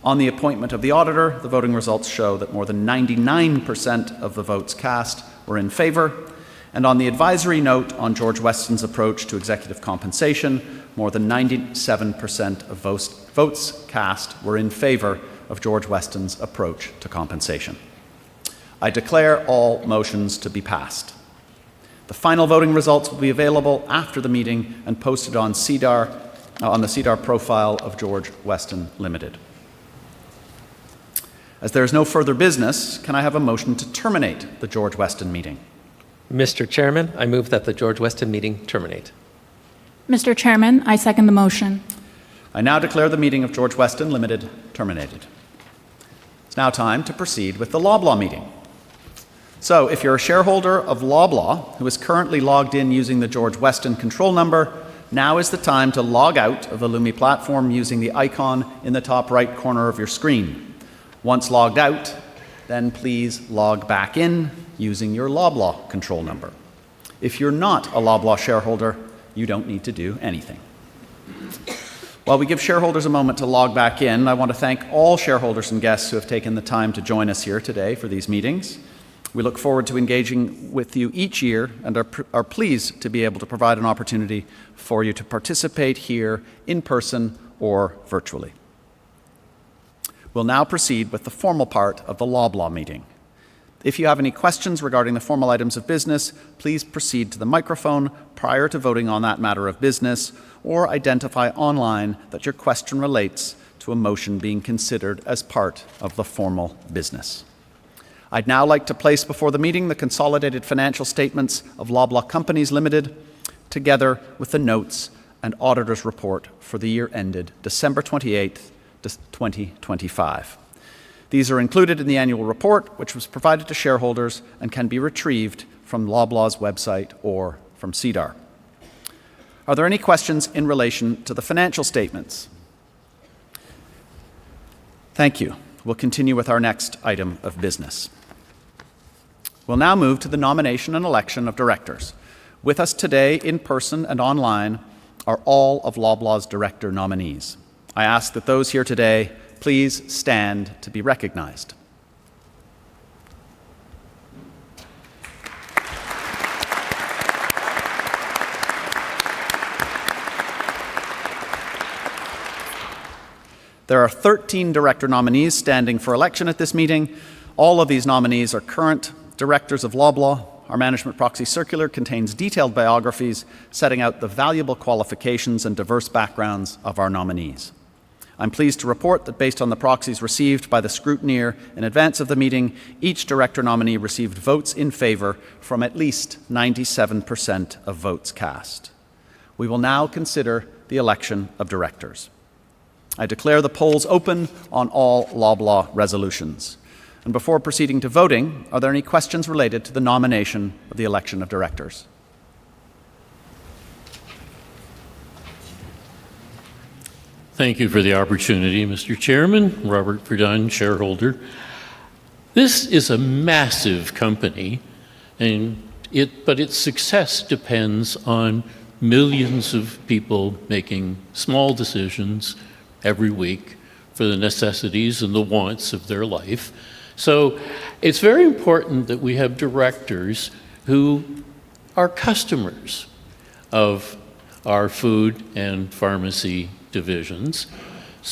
On the appointment of the auditor, the voting results show that more than 99% of the votes cast were in favor. On the advisory note on George Weston's approach to executive compensation, more than 97% of votes cast were in favor of George Weston's approach to compensation. I declare all motions to be passed. The final voting results will be available after the meeting and posted on SEDAR, on the SEDAR profile of George Weston Limited. As there is no further business, can I have a motion to terminate the George Weston meeting? Mr. Chairman, I move that the George Weston meeting terminate. Mr. Chairman, I second the motion. I now declare the meeting of George Weston Limited terminated. It is now time to proceed with the Loblaw meeting. If you are a shareholder of Loblaw who is currently logged in using the George Weston control number, now is the time to log out of the Lumi platform using the icon in the top right corner of your screen. Once logged out, please log back in using your Loblaw control number. If you are not a Loblaw shareholder, you do not need to do anything. While we give shareholders a moment to log back in, I want to thank all shareholders and guests who have taken the time to join us here today for these meetings. We look forward to engaging with you each year, are pleased to be able to provide an opportunity for you to participate here in person or virtually. We'll now proceed with the formal part of the Loblaw meeting. If you have any questions regarding the formal items of business, please proceed to the microphone prior to voting on that matter of business, or identify online that your question relates to a motion being considered as part of the formal business. I'd now like to place before the meeting the consolidated financial statements of Loblaw Companies Limited, together with the notes and auditor's report for the year ended December 28th, 2025. These are included in the annual report, which was provided to shareholders, and can be retrieved from Loblaw's website or from SEDAR. Are there any questions in relation to the financial statements? Thank you. We'll continue with our next item of business. We'll now move to the nomination and election of directors. With us today in person and online are all of Loblaw's director nominees. I ask that those here today please stand to be recognized. There are 13 director nominees standing for election at this meeting. All of these nominees are current directors of Loblaw. Our management proxy circular contains detailed biographies setting out the valuable qualifications and diverse backgrounds of our nominees. I'm pleased to report that based on the proxies received by the scrutineer in advance of the meeting, each director nominee received votes in favor from at least 97% of votes cast. We will now consider the election of directors. Before proceeding to voting, are there any questions related to the nomination of the election of directors? Thank you for the opportunity, Mr. Chairman. Robert Verdun, shareholder. This is a massive company, but its success depends on millions of people making small decisions every week for the necessities and the wants of their life. It is very important that we have directors who are customers of our food and pharmacy divisions.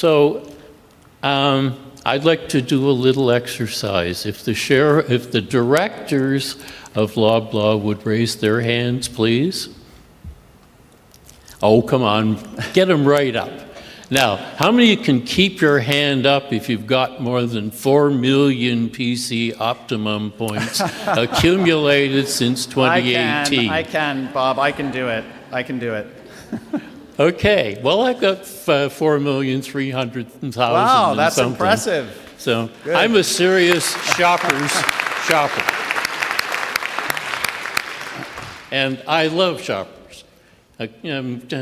I would like to do a little exercise. If the directors of Loblaw would raise their hands, please. Oh, come on. Get them right up. How many can keep your hand up if you have got more than 4 million PC Optimum points accumulated since 2018? I can. I can, Bob. I can do it. I can do it. Okay. Well, I've got 4.3 million and something. Wow, that's impressive. Good. I'm a serious Shoppers shopper. I love Shoppers. Like,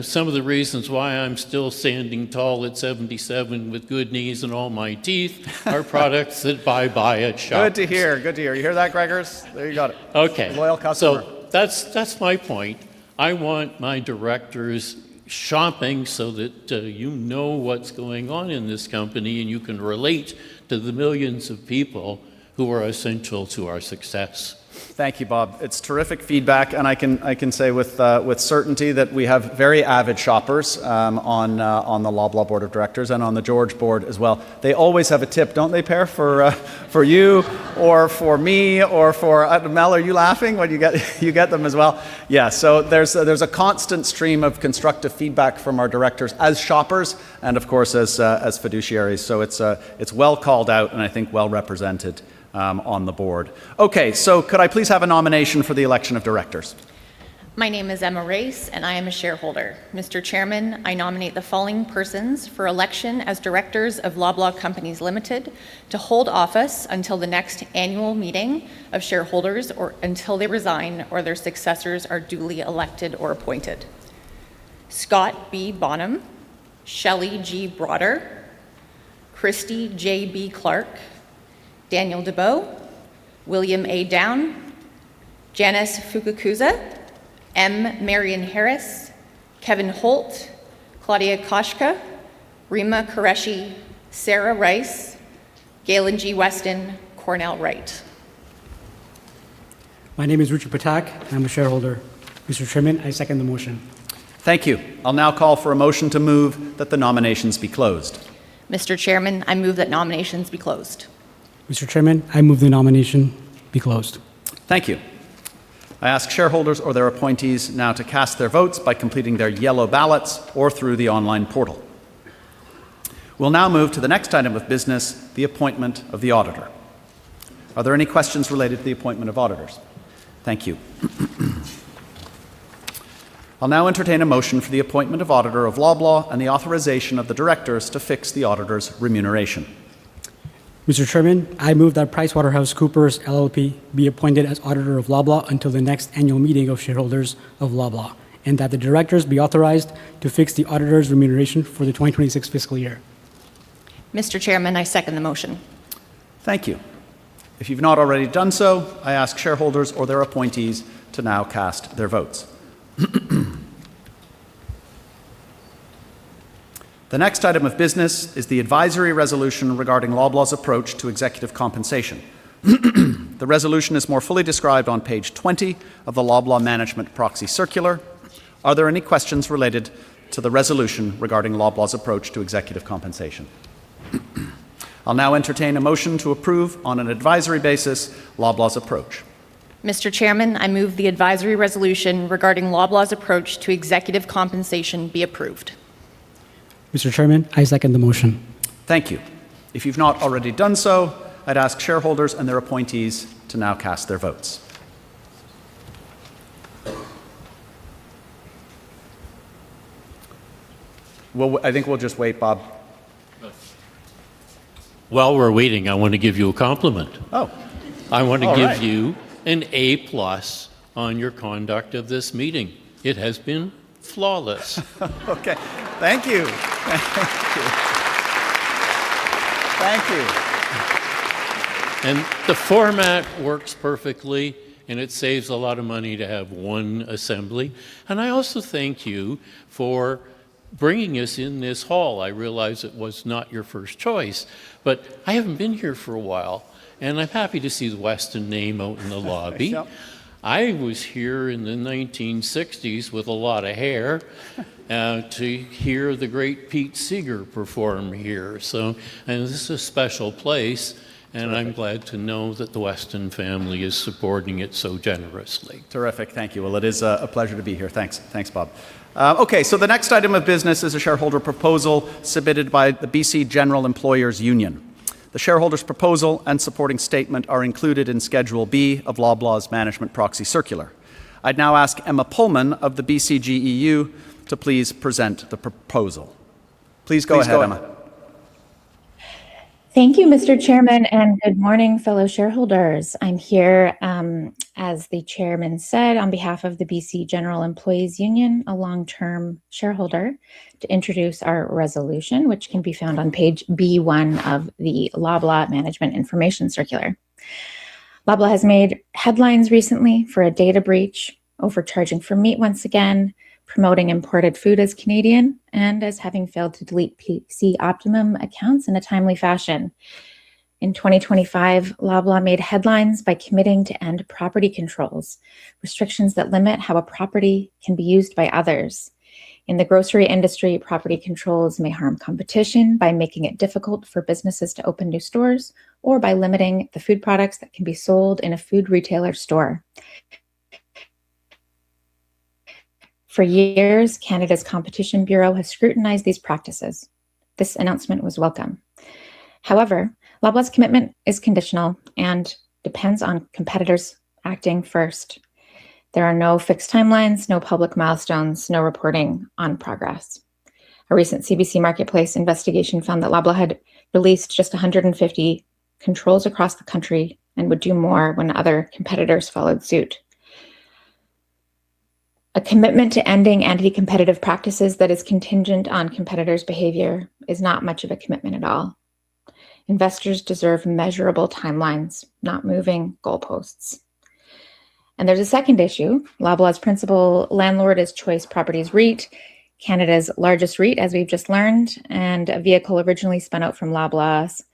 some of the reasons why I'm still standing tall at 77 with good knees and all my teeth are products that I buy at Shoppers. Good to hear. Good to hear. You hear that, Gregers? There, you got it. Okay. Loyal customer. That's my point. I want my directors shopping so that, you know what's going on in this company, and you can relate to the millions of people who are essential to our success. Thank you, Bob. It's terrific feedback. I can say with certainty that we have very avid shoppers on the Loblaw board of directors and on the George board as well. They always have a tip, don't they, Per, for you or for me or for Mel, are you laughing? What, you get them as well? Yeah, there's a constant stream of constructive feedback from our directors as shoppers and, of course, as fiduciaries. It's well called out and I think well represented on the board. Okay, could I please have a nomination for the election of directors? My name is Emma Race, and I am a shareholder. Mr. Chairman, I nominate the following persons for election as directors of Loblaw Companies Limited to hold office until the next annual meeting of shareholders or until they resign or their successors are duly elected or appointed. Scott B. Bonham, Shelley G. Broader, Christie J.B. Clark, Daniel Debow, William A. Downe, Janice Fukakusa, M. Marianne Harris, Kevin Holt, Claudia Kotchka, Rima Qureshi, Sarah Raiss, Galen G. Weston, Cornell Wright. My name is Richard Patak, and I'm a shareholder. Mr. Chairman, I second the motion. Thank you. I'll now call for a motion to move that the nominations be closed. Mr. Chairman, I move that nominations be closed. Mr. Chairman, I move the nomination be closed. Thank you. I ask shareholders or their appointees now to cast their votes by completing their yellow ballots or through the online portal. We'll now move to the next item of business, the appointment of the auditor. Are there any questions related to the appointment of auditors? Thank you. I'll now entertain a motion for the appointment of auditor of Loblaw and the authorization of the directors to fix the auditor's remuneration. Mr. Chairman, I move that PricewaterhouseCoopers LLP be appointed as auditor of Loblaw until the next annual meeting of shareholders of Loblaw, and that the directors be authorized to fix the auditor's remuneration for the 2026 fiscal year. Mr. Chairman, I second the motion. Thank you. If you've not already done so, I ask shareholders or their appointees to now cast their votes. The next item of business is the advisory resolution regarding Loblaw's approach to executive compensation. The resolution is more fully described on page 20 of the Loblaw management proxy circular. Are there any questions related to the resolution regarding Loblaw's approach to executive compensation? I'll now entertain a motion to approve on an advisory basis Loblaw's approach. Mr. Chairman, I move the advisory resolution regarding Loblaw's approach to executive compensation be approved. Mr. Chairman, I second the motion. Thank you. If you've not already done so, I'd ask shareholders and their appointees to now cast their votes. Well, I think we'll just wait, Bob. While we're waiting, I want to give you a compliment. Oh. All right. I want to give you an A+ on your conduct of this meeting. It has been flawless. Okay. Thank you. Thank you. Thank you. The format works perfectly, and it saves a lot of money to have one assembly. I also thank you for bringing us in this hall. I realize it was not your first choice, but I haven't been here for a while, and I'm happy to see the Weston name out in the lobby. Yep. I was here in the 1960s to hear the great Pete Seeger perform here. This is a special place. Terrific. I'm glad to know that the Weston family is supporting it so generously. Terrific. Thank you. Well, it is a pleasure to be here. Thanks, Bob. Okay, the next item of business is a shareholder proposal submitted by the BC General Employees' Union. The shareholder's proposal and supporting statement are included in Schedule B of Loblaw's management proxy circular. I'd now ask Emma Pullman of the BCGEU to please present the proposal. Please go ahead, Emma. Thank you, Mr. Chairman, and good morning, fellow shareholders. I'm here, as the chairman said, on behalf of the BC General Employees' Union, a long-term shareholder, to introduce our resolution, which can be found on page B1 of the Loblaw management information circular. Loblaw has made headlines recently for a data breach, overcharging for meat once again, promoting imported food as Canadian, and as having failed to delete PC Optimum accounts in a timely fashion. In 2025, Loblaw made headlines by committing to end property controls, restrictions that limit how a property can be used by others. In the grocery industry, property controls may harm competition by making it difficult for businesses to open new stores or by limiting the food products that can be sold in a food retailer store. For years, Canada's Competition Bureau has scrutinized these practices. This announcement was welcome. Loblaw's commitment is conditional and depends on competitors acting first. There are no fixed timelines, no public milestones, no reporting on progress. A recent CBC Marketplace investigation found that Loblaw had released just 150 controls across the country and would do more when other competitors followed suit. A commitment to ending anti-competitive practices that is contingent on competitors' behavior is not much of a commitment at all. Investors deserve measurable timelines, not moving goalposts. There's a second issue. Loblaw's principal landlord is Choice Properties REIT, Canada's largest REIT, as we've just learned, and a vehicle originally spun out from Loblaw's.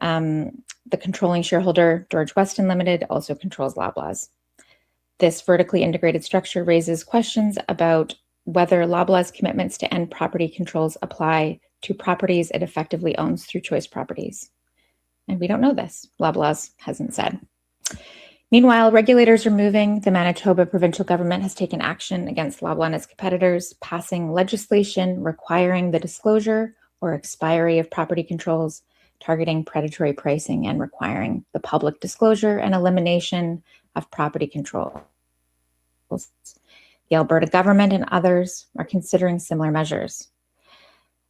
The controlling shareholder, George Weston Limited, also controls Loblaw's. This vertically integrated structure raises questions about whether Loblaw's commitments to end property controls apply to properties it effectively owns through Choice Properties. We don't know this. Loblaw's hasn't said. Meanwhile, regulators are moving. The Manitoba provincial government has taken action against Loblaw and its competitors, passing legislation requiring the disclosure or expiry of property controls targeting predatory pricing and requiring the public disclosure and elimination of property control. The Alberta government and others are considering similar measures.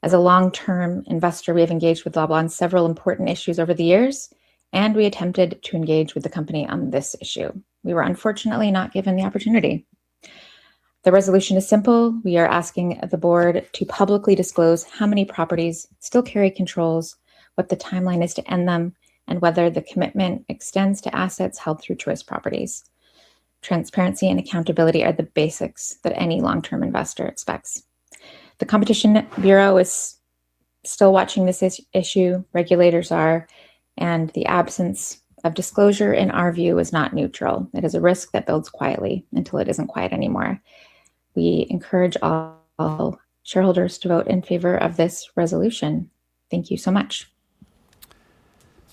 As a long-term investor, we have engaged with Loblaw on several important issues over the years, and we attempted to engage with the company on this issue. We were unfortunately not given the opportunity. The resolution is simple. We are asking the board to publicly disclose how many properties still carry controls, what the timeline is to end them, and whether the commitment extends to assets held through Choice Properties. Transparency and accountability are the basics that any long-term investor expects. The Competition Bureau is still watching this issue, regulators are, and the absence of disclosure, in our view, is not neutral. It is a risk that builds quietly until it isn't quiet anymore. We encourage all shareholders to vote in favor of this resolution. Thank you so much.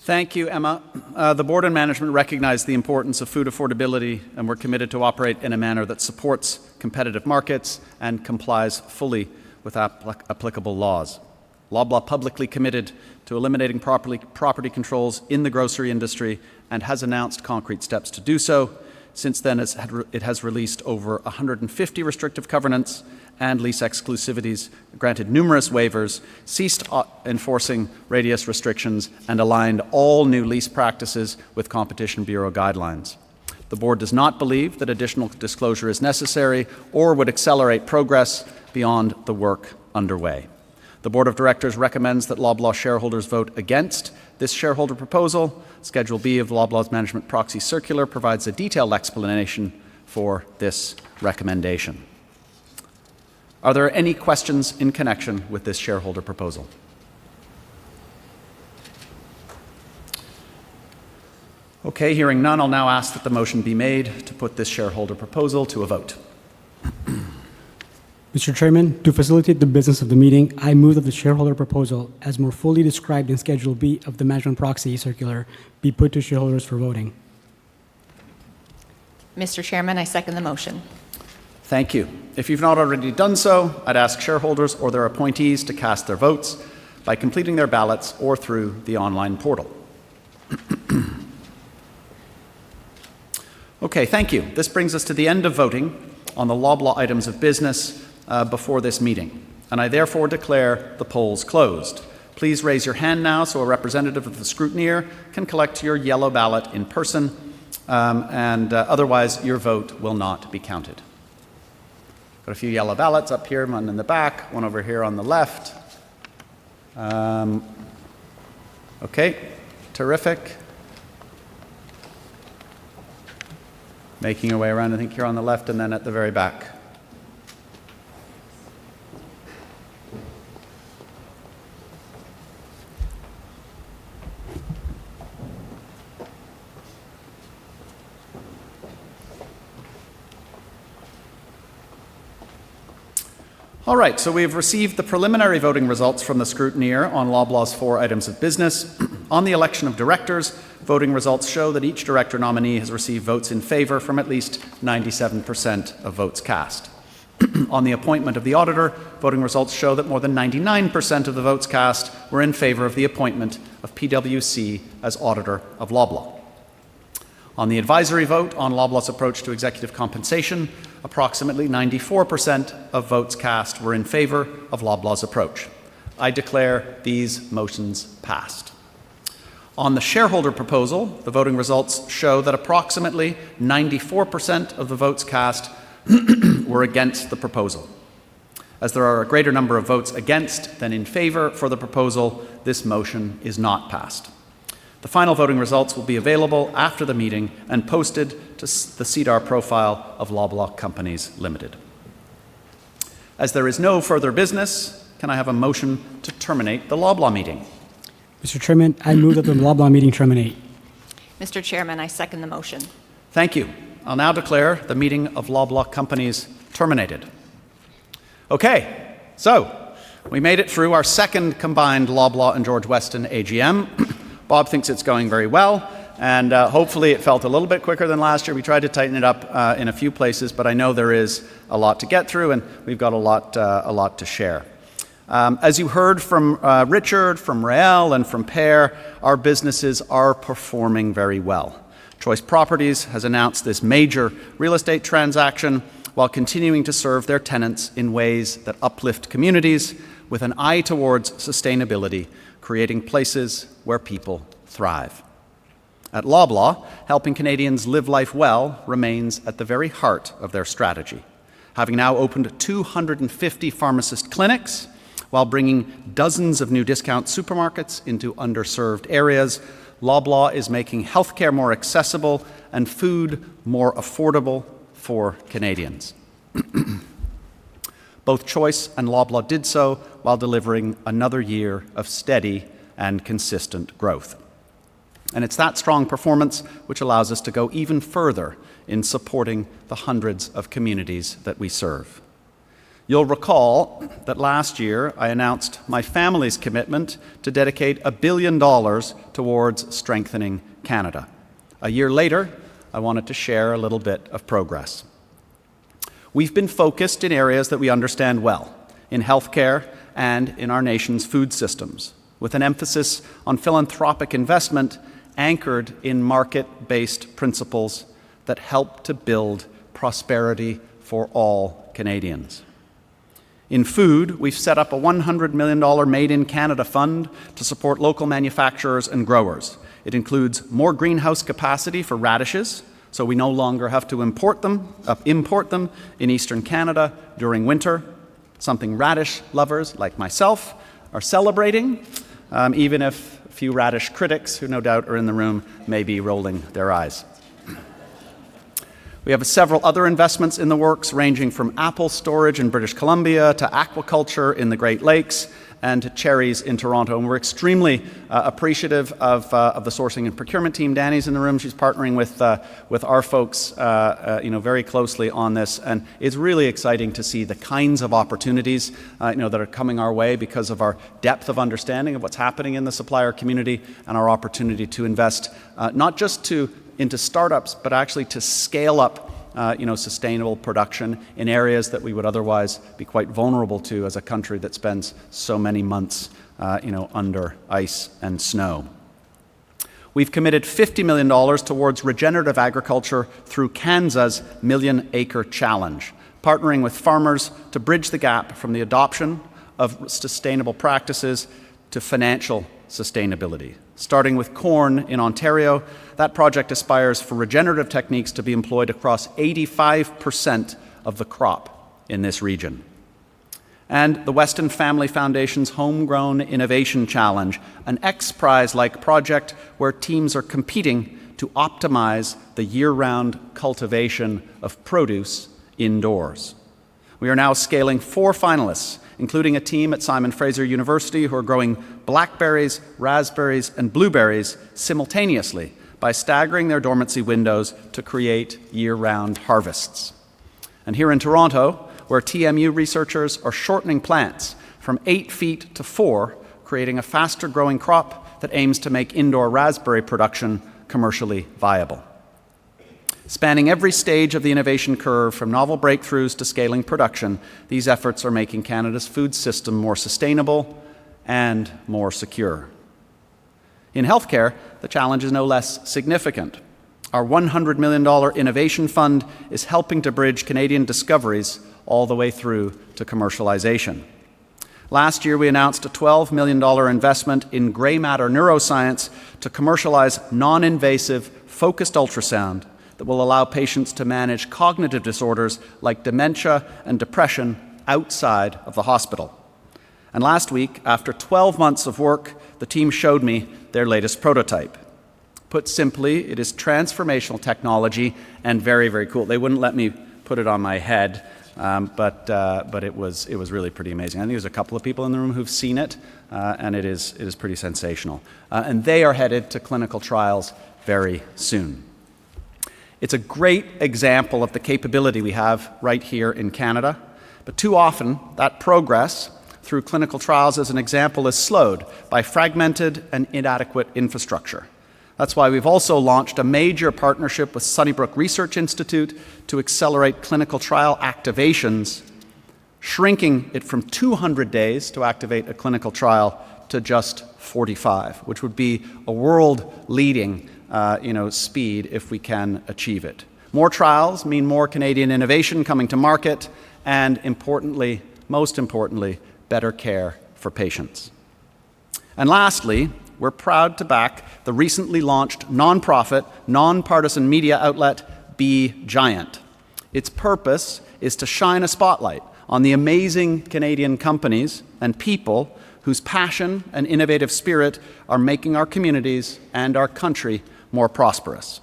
Thank you, Emma. The board and management recognize the importance of food affordability, and we're committed to operate in a manner that supports competitive markets and complies fully with applicable laws. Loblaw publicly committed to eliminating property controls in the grocery industry and has announced concrete steps to do so. Since then, it has released over 150 restrictive covenants and lease exclusivities, granted numerous waivers, ceased enforcing radius restrictions, and aligned all new lease practices with Competition Bureau guidelines. The board does not believe that additional disclosure is necessary or would accelerate progress beyond the work underway. The board of directors recommends that Loblaw shareholders vote against this shareholder proposal. Schedule B of Loblaw's management proxy circular provides a detailed explanation for this recommendation. Are there any questions in connection with this shareholder proposal? Okay, hearing none, I'll now ask that the motion be made to put this shareholder proposal to a vote. Mr. Chairman, to facilitate the business of the meeting, I move that the shareholder proposal, as more fully described in Schedule B of the management proxy circular, be put to shareholders for voting. Mr. Chairman, I second the motion. Thank you. If you've not already done so, I'd ask shareholders or their appointees to cast their votes by completing their ballots or through the online portal. Okay, thank you. This brings us to the end of voting on the Loblaw items of business before this meeting. I therefore declare the polls closed. Please raise your hand now so a representative of the scrutineer can collect your yellow ballot in person. Otherwise your vote will not be counted. Got a few yellow ballots up here, one in the back, one over here on the left. Okay, terrific. Making your way around, I think you're on the left and then at the very back. We've received the preliminary voting results from the scrutineer on Loblaw's 4 items of business. On the election of directors, voting results show that each director nominee has received votes in favor from at least 97% of votes cast. On the appointment of the auditor, voting results show that more than 99% of the votes cast were in favor of the appointment of PwC as auditor of Loblaw. On the advisory vote on Loblaw's approach to executive compensation, approximately 94% of votes cast were in favor of Loblaw's approach. I declare these motions passed. On the shareholder proposal, the voting results show that approximately 94% of the votes cast were against the proposal. As there are a greater number of votes against than in favor for the proposal, this motion is not passed. The final voting results will be available after the meeting and posted to the SEDAR profile of Loblaw Companies Limited. As there is no further business, can I have a motion to terminate the Loblaw meeting? Mr. Chairman, I move that the Loblaw meeting terminate. Mr. Chairman, I second the motion. Thank you. I'll now declare the meeting of Loblaw Companies terminated. We made it through our second combined Loblaw and George Weston AGM. Bob thinks it's going very well, hopefully it felt a little bit quicker than last year. We tried to tighten it up in a few places, I know there is a lot to get through, we've got a lot to share. As you heard from Richard, from Rael, from Per, our businesses are performing very well. Choice Properties has announced this major real estate transaction while continuing to serve their tenants in ways that uplift communities with an eye towards sustainability, creating places where people thrive. At Loblaw, helping Canadians live life well remains at the very heart of their strategy. Having now opened 250 pharmacist clinics while bringing dozens of new discount supermarkets into underserved areas, Loblaw is making healthcare more accessible and food more affordable for Canadians. Both Choice and Loblaw did so while delivering another year of steady and consistent growth. It's that strong performance which allows us to go even further in supporting the hundreds of communities that we serve. You'll recall that last year I announced my family's commitment to dedicate 1 billion dollars towards strengthening Canada. A year later, I wanted to share a little bit of progress. We've been focused in areas that we understand well, in healthcare and in our nation's food systems, with an emphasis on philanthropic investment anchored in market-based principles that help to build prosperity for all Canadians. In food, we've set up a 100 million dollar Made in Canada fund to support local manufacturers and growers. It includes more greenhouse capacity for radishes, so we no longer have to import them in Eastern Canada during winter. Something radish lovers like myself are celebrating, even if a few radish critics, who no doubt are in the room, may be rolling their eyes. We have several other investments in the works ranging from apple storage in British Columbia to aquaculture in the Great Lakes and cherries in Toronto, and we're extremely appreciative of the sourcing and procurement team. Danny's in the room. She's partnering with our folks, you know, very closely on this, and it's really exciting to see the kinds of opportunities, you know, that are coming our way because of our depth of understanding of what's happening in the supplier community and our opportunity to invest, not just into startups, but actually to scale up, you know, sustainable production in areas that we would otherwise be quite vulnerable to as a country that spends so many months, you know, under ice and snow. We've committed 50 million dollars towards regenerative agriculture through Canada's Million Acre Challenge, partnering with farmers to bridge the gap from the adoption of sustainable practices to financial sustainability. Starting with corn in Ontario, that project aspires for regenerative techniques to be employed across 85% of the crop in this region. The Weston Family Foundation's Homegrown Innovation Challenge, an XPRIZE-like project where teams are competing to optimize the year-round cultivation of produce indoors. We are now scaling four finalists, including a team at Simon Fraser University who are growing blackberries, raspberries, and blueberries simultaneously by staggering their dormancy windows to create year-round harvests. Here in Toronto, where TMU researchers are shortening plants from 8 ft to 4 ft, creating a faster-growing crop that aims to make indoor raspberry production commercially viable. Spanning every stage of the innovation curve, from novel breakthroughs to scaling production, these efforts are making Canada's food system more sustainable and more secure. In healthcare, the challenge is no less significant. Our 100 million dollar innovation fund is helping to bridge Canadian discoveries all the way through to commercialization. Last year, we announced a 12 million dollar investment in Grey Matter Neurosciences to commercialize non-invasive, focused ultrasound that will allow patients to manage cognitive disorders like dementia and depression outside of the hospital. Last week, after 12 months of work, the team showed me their latest prototype. Put simply, it is transformational technology and very, very cool. They wouldn't let me put it on my head, but it was really pretty amazing. I think there's a couple of people in the room who've seen it, and it is pretty sensational. They are headed to clinical trials very soon. It's a great example of the capability we have right here in Canada, but too often that progress through clinical trials, as an example, is slowed by fragmented and inadequate infrastructure. That's why we've also launched a major partnership with Sunnybrook Research Institute to accelerate clinical trial activations, shrinking it from 200 days to activate a clinical trial to just 45, which would be a world-leading, you know, speed if we can achieve it. More trials mean more Canadian innovation coming to market and importantly, most importantly, better care for patients. Lastly, we're proud to back the recently launched nonprofit, nonpartisan media outlet, Be Giant. Its purpose is to shine a spotlight on the amazing Canadian companies and people whose passion and innovative spirit are making our communities and our country more prosperous.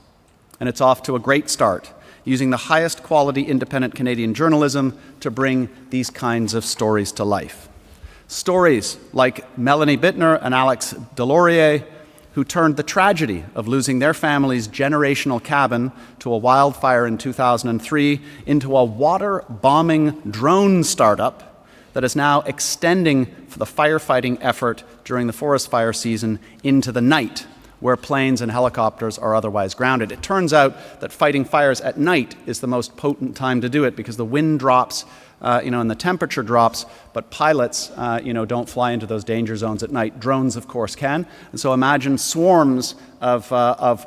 It's off to a great start, using the highest quality independent Canadian journalism to bring these kinds of stories to life. Stories like Melanie Bitner and Alex Deslauriers, who turned the tragedy of losing their family's generational cabin to a wildfire in 2003 into a water-bombing drone startup that is now extending the firefighting effort during the forest fire season into the night, where planes and helicopters are otherwise grounded. It turns out that fighting fires at night is the most potent time to do it because the wind drops, you know, and the temperature drops, but pilots, you know, don't fly into those danger zones at night. Drones, of course, can. Imagine swarms of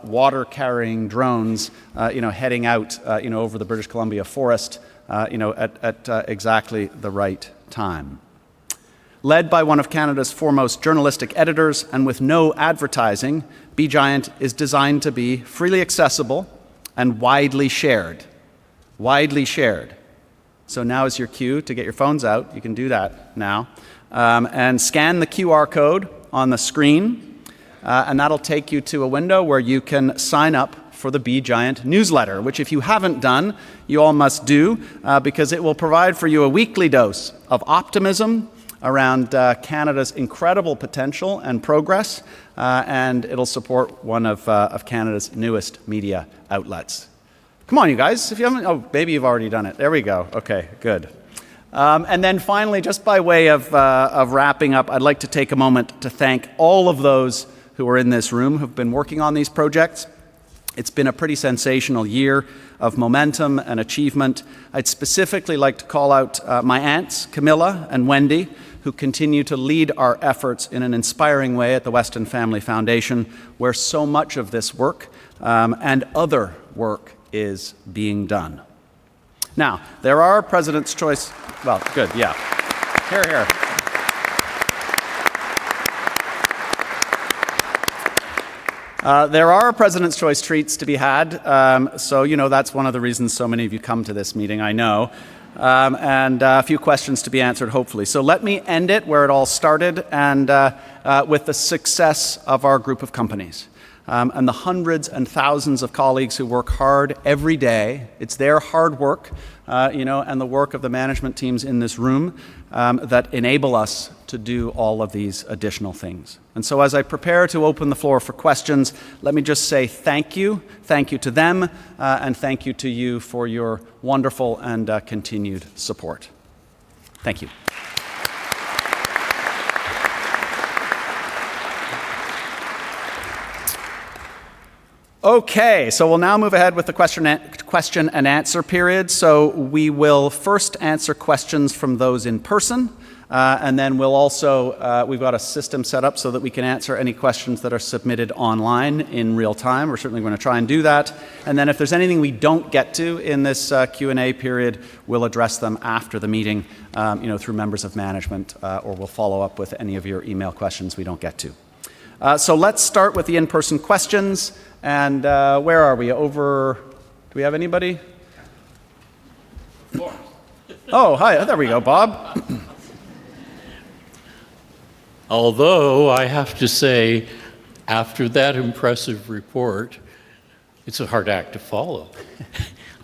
water-carrying drones, you know, heading out, you know, over the British Columbia forest, you know, at exactly the right time. Led by one of Canada's foremost journalistic editors and with no advertising, Be Giant is designed to be freely accessible and widely shared. Widely shared. Now is your cue to get your phones out. You can do that now, and scan the QR code on the screen, and that'll take you to a window where you can sign up for the Be Giant newsletter, which if you haven't done, you all must do, because it will provide for you a weekly dose of optimism around Canada's incredible potential and progress, and it'll support one of of Canada's newest media outlets. Come on, you guys. If you haven't. Oh, maybe you've already done it. There we go. Okay, good. Finally, just by way of wrapping up, I'd like to take a moment to thank all of those who are in this room who've been working on these projects. It's been a pretty sensational year of momentum and achievement. I'd specifically like to call out my aunts, Camilla and Wendy, who continue to lead our efforts in an inspiring way at the Weston Family Foundation, where so much of this work and other work is being done. There are President's Choice Well, good, yeah. Hear, hear. There are President's Choice treats to be had, you know, that's one of the reasons so many of you come to this meeting, I know, and a few questions to be answered, hopefully. Let me end it where it all started and with the success of our group of companies and the hundreds and thousands of colleagues who work hard every day. It's their hard work, you know, and the work of the management teams in this room that enable us to do all of these additional things. As I prepare to open the floor for questions, let me just say thank you. Thank you to them and thank you to you for your wonderful and continued support. Thank you. We'll now move ahead with the question and answer period. We will first answer questions from those in person, and then we'll also, we've got a system set up so that we can answer any questions that are submitted online in real time. We're certainly gonna try and do that. If there's anything we don't get to in this Q&A period, we'll address them after the meeting, you know, through members of management, or we'll follow up with any of your email questions we don't get to. Let's start with the in-person questions. Where are we? Over here. Do we have anybody? Oh, hi. There we go, Bob. Although I have to say after that impressive report, it's a hard act to follow.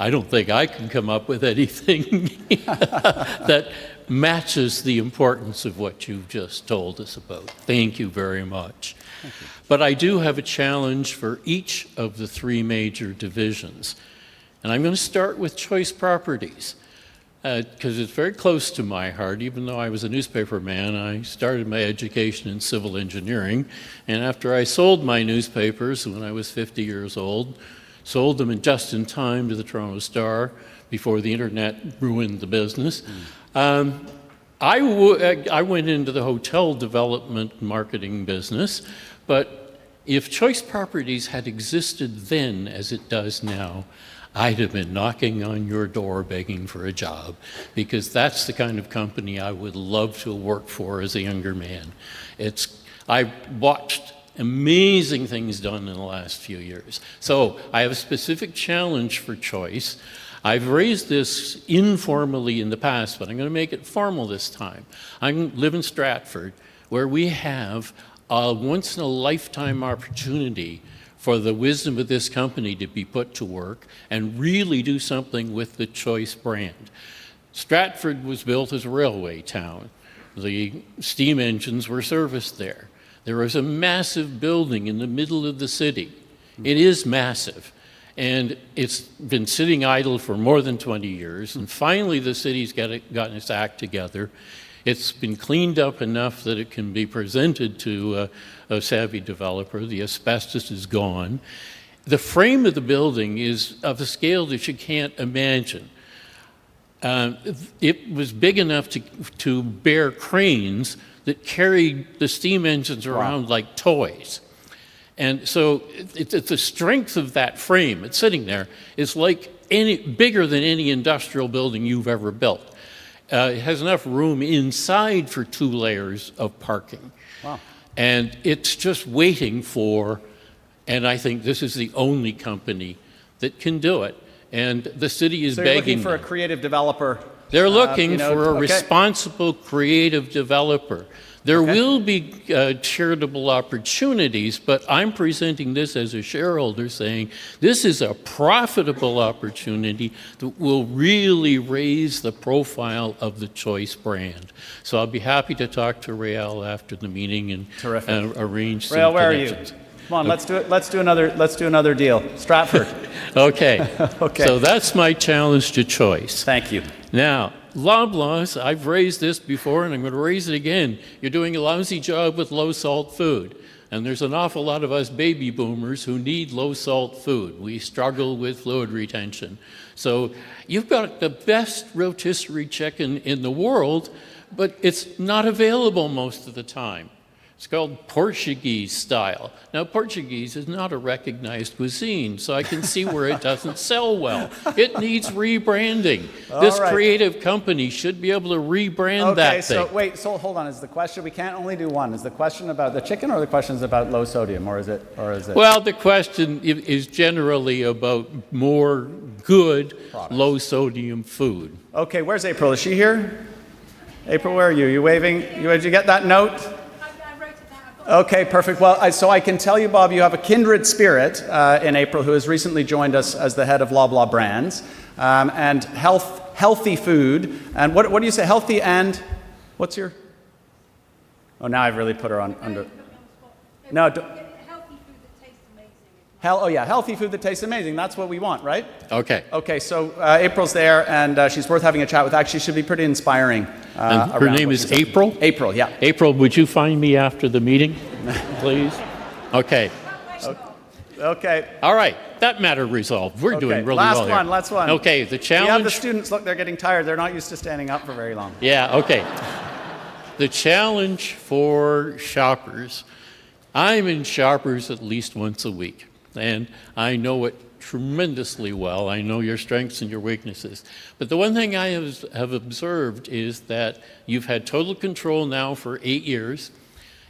I don't think I can come up with anything that matches the importance of what you've just told us about. Thank you very much. Thank you. I do have a challenge for each of the three major divisions, and I'm gonna start with Choice Properties, 'cause it's very close to my heart. Even though I was a newspaperman, I started my education in civil engineering, and after I sold my newspapers when I was 50 years old, sold them in just in time to the Toronto Star before the internet ruined the business. I went into the hotel development marketing business. If Choice Properties had existed then as it does now, I'd have been knocking on your door begging for a job because that's the kind of company I would love to have worked for as a younger man. I've watched amazing things done in the last few years. I have a specific challenge for Choice. I've raised this informally in the past, I'm gonna make it formal this time. I live in Stratford where we have a once in a lifetime opportunity for the wisdom of this company to be put to work and really do something with the Choice brand. Stratford was built as a railway town. The steam engines were serviced there. There was a massive building in the middle of the city. It is massive. It's been sitting idle for more than 20 years. Finally, the city's gotten its act together. It's been cleaned up enough that it can be presented to a savvy developer. The asbestos is gone. The frame of the building is of a scale that you can't imagine. It was big enough to bear cranes that carried the steam engines around. Like toys. It's the strength of that frame. It's sitting there. It's like any bigger than any industrial building you've ever built. It has enough room inside for two layers of parking. Wow. It's just waiting for, and I think this is the only company that can do it, and the city is begging for it. You're looking for a creative developer, you know. Okay. They're looking for a responsible creative developer. Okay. There will be charitable opportunities, but I'm presenting this as a shareholder saying, "This is a profitable opportunity that will really raise the profile of the Choice Properties brand." I'll be happy to talk to Rael Diamond after the meeting arrange some connections. Rael, where are you? Come on, let's do another deal. Stratford. Okay. Okay. That's my challenge to Choice. Thank you. Loblaws, I've raised this before and I'm gonna raise it again. You're doing a lousy job with low salt food, and there's an awful lot of us baby boomers who need low salt food. We struggle with fluid retention. You've got the best rotisserie chicken in the world, but it's not available most of the time. It's called Portuguese Style. Portuguese is not a recognized cuisine, so I can see where it doesn't sell well. It needs rebranding. All right. This creative company should be able to rebrand that thing. Okay. Wait, so hold on. We can't only do one. Is the question about the chicken or the question's about low sodium, or is it? Well, the question is generally about more. Products. Low sodium food. Okay. Where's April? Is she here? April, where are you? You waving? You, did you get that note? I wrote it down. I've got it. Okay, perfect. I, so I can tell you, Bob, you have a kindred spirit, in April, who has recently joined us as the head of Loblaw Brands, healthy food, what do you say? Healthy and what's your Oh, now I've really put her on under- You're putting me on the spot. No. Healthy food that tastes amazing. Oh yeah, healthy food that tastes amazing. That's what we want, right? Okay. Okay. April's there and, she's worth having a chat with. Actually she should be pretty inspiring, around what she's doing. Her name is April? April, yeah. April, would you find me after the meeting, please? Okay. No pressure. Okay. All right. That matter resolved. We're doing really well here. Okay. Last one. Last one. Okay. The challenge. We have the students. Look, they're getting tired. They're not used to standing up for very long. Yeah. Okay. The challenge for Shoppers, I'm in Shoppers at least once a week, and I know it tremendously well. I know your strengths and your weaknesses, but the one thing I have observed is that you've had total control now for eight years.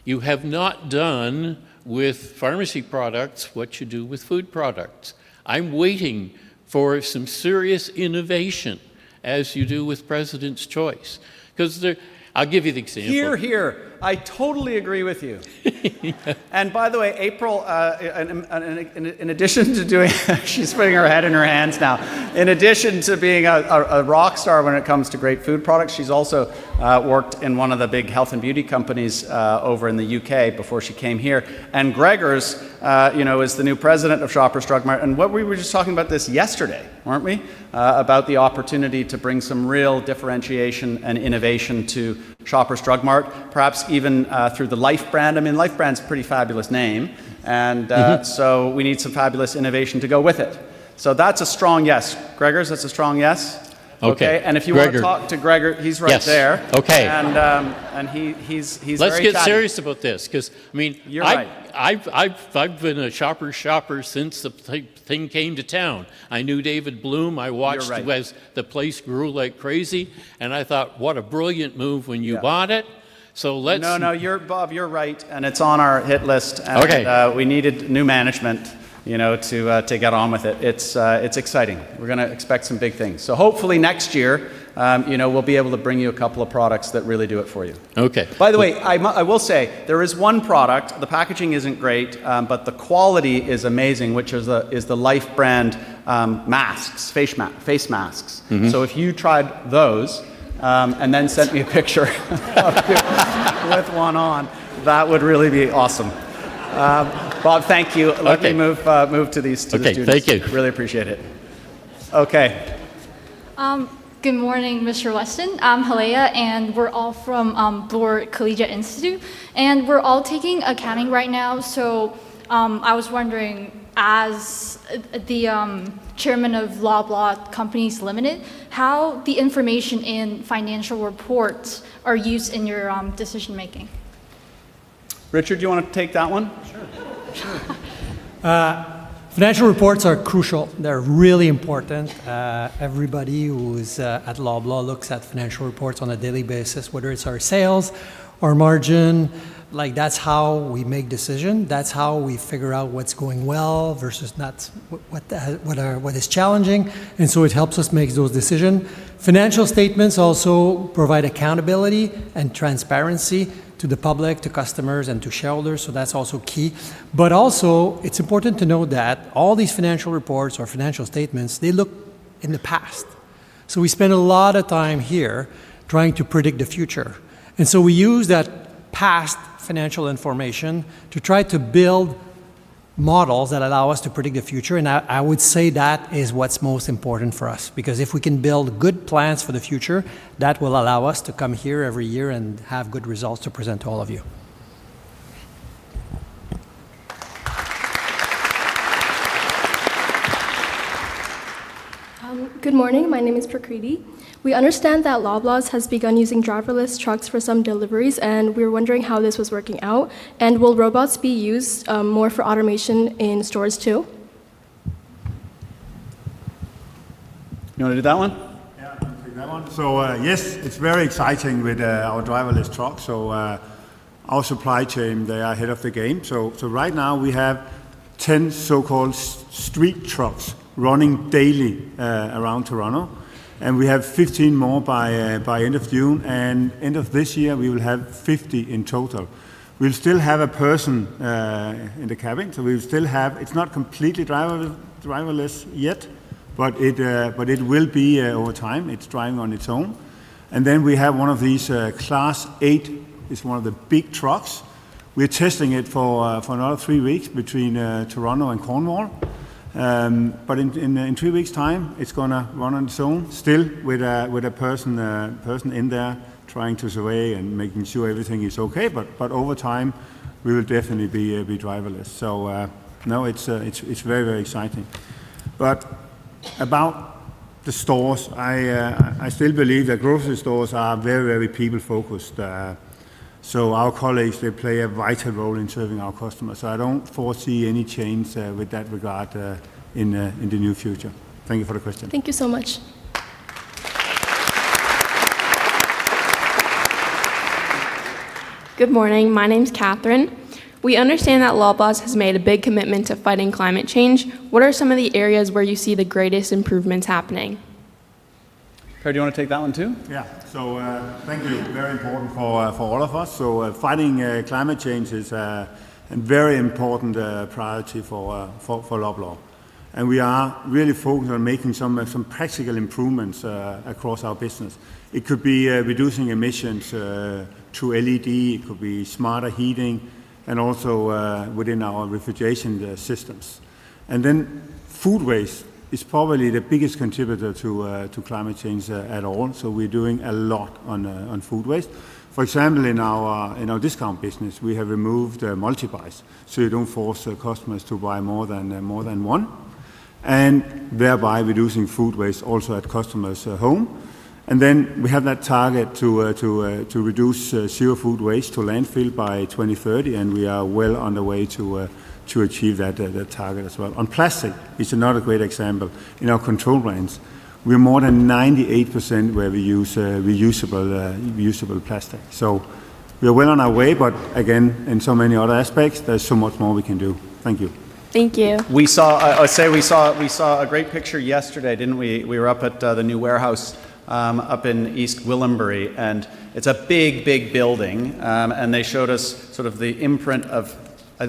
You have not done with pharmacy products what you do with food products. I'm waiting for some serious innovation as you do with President's Choice because I'll give you the example. Hear, hear. I totally agree with you. By the way, April, She's putting her head in her hands now. In addition to being a rock star when it comes to great food products, she's also worked in one of the big health and beauty companies over in the U.K. before she came here. Gregers, you know, is the new president of Shoppers Drug Mart, and what we were just talking about this yesterday, weren't we? About the opportunity to bring some real differentiation and innovation to Shoppers Drug Mart, perhaps even through the Life Brand. I mean, Life Brand's a pretty fabulous name. We need some fabulous innovation to go with it. That's a strong yes. Gregers, that's a strong yes? Okay. Okay, if you- Gregor want to talk to Gregor, he's right there. Yes. Okay. He's very. Let's get serious about this. You're right. I've been a Shoppers shopper since the thing came to town. I knew David Bloom. You're right. As the place grew like crazy, and I thought, what a brilliant move when you- Yeah. Bought it. No, no. You're, Bob, you're right, and it's on our hit list. Okay. We needed new management, you know, to get on with it. It's exciting. We're gonna expect some big things. Hopefully next year, you know, we'll be able to bring you a couple of products that really do it for you. Okay. By the way, I will say there is one product, the packaging isn't great, but the quality is amazing, which is the Life Brand, masks, face masks. If you tried those, and then sent me a picture of you with one on, that would really be awesome. Bob, thank you. Okay. Let me move to these, to the students. Okay. Thank you. Really appreciate it. Okay. Good morning, Mr. Weston. I'm Helia and we're all from Bloor Collegiate Institute, and we're all taking accounting right now. I was wondering as the Chairman of Loblaw Companies Limited, how the information in financial reports are used in your decision-making? Richard, do you want to take that one? Sure. Sure. Financial reports are crucial. They're really important. Everybody who is at Loblaw looks at financial reports on a daily basis, whether it's our sales, our margin. Like, that's how we make decision. That's how we figure out what's going well versus not, what the, what our, what is challenging. It helps us make those decision. Financial statements also provide accountability and transparency to the public, to customers, and to shareholders, that's also key. It's important to know that all these financial reports or financial statements, they look in the past. We spend a lot of time here trying to predict the future, we use that past financial information to try to build models that allow us to predict the future. I would say that is what's most important for us because if we can build good plans for the future, that will allow us to come here every year and have good results to present to all of you. Good morning. My name is Prakriti. We understand that Loblaw's has begun using driverless trucks for some deliveries, and we were wondering how this was working out, and will robots be used more for automation in stores too? You wanna do that one? Yeah, I can take that one. Yes, it's very exciting with our driverless trucks. Right now we have 10 so-called street trucks running daily around Toronto, and we have 15 more by end of June. End of this year we will have 50 in total. We'll still have a person in the cabin, so we'll still have It's not completely driverless yet, but it will be over time. It's driving on its own. We have one of these Class 8. It's one of the big trucks. We're testing it for another three weeks between Toronto and Cornwall. In two weeks' time it's going to run on its own, still with a person in there trying to survey and making sure everything is okay. Over time we will definitely be driverless. No, it's very, very exciting. About the stores, I still believe that grocery stores are very, very people-focused. Our colleagues, they play a vital role in serving our customers. I don't foresee any change with that regard in the near future. Thank you for the question. Thank you so much. Good morning. My name's Catherine. We understand that Loblaw's has made a big commitment to fighting climate change. What are some of the areas where you see the greatest improvements happening? Per, do you wanna take that one, too? Yeah. Thank you. Very important for all of us. Fighting climate change is a very important priority for Loblaw, and we are really focused on making some practical improvements across our business. It could be reducing emissions through LED. It could be smarter heating, and also within our refrigeration systems. Food waste is probably the biggest contributor to climate change at all, so we're doing a lot on food waste. For example, in our discount business, we have removed multipacks, so you don't force customers to buy more than one, and thereby reducing food waste also at customers' home. We have that target to reduce zero food waste to landfill by 2030, and we are well on the way to achieve that target as well. On plastic, it's another great example. In our controlled brands, we're more than 98% where we use reusable plastic. We are well on our way, but again, in so many other aspects, there's so much more we can do. Thank you. Thank you. We saw a great picture yesterday, didn't we? We were up at the new warehouse up in East Gwillimbury, and it's a big building. They showed us sort of the imprint of,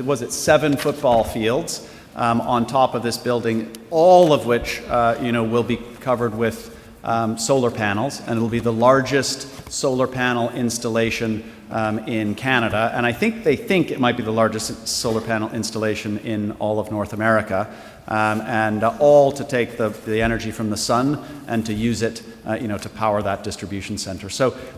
was it seven football fields on top of this building, all of which, you know, will be covered with solar panels, and it'll be the largest solar panel installation in Canada. I think they think it might be the largest solar panel installation in all of North America. All to take the energy from the sun and to use it, you know, to power that distribution center.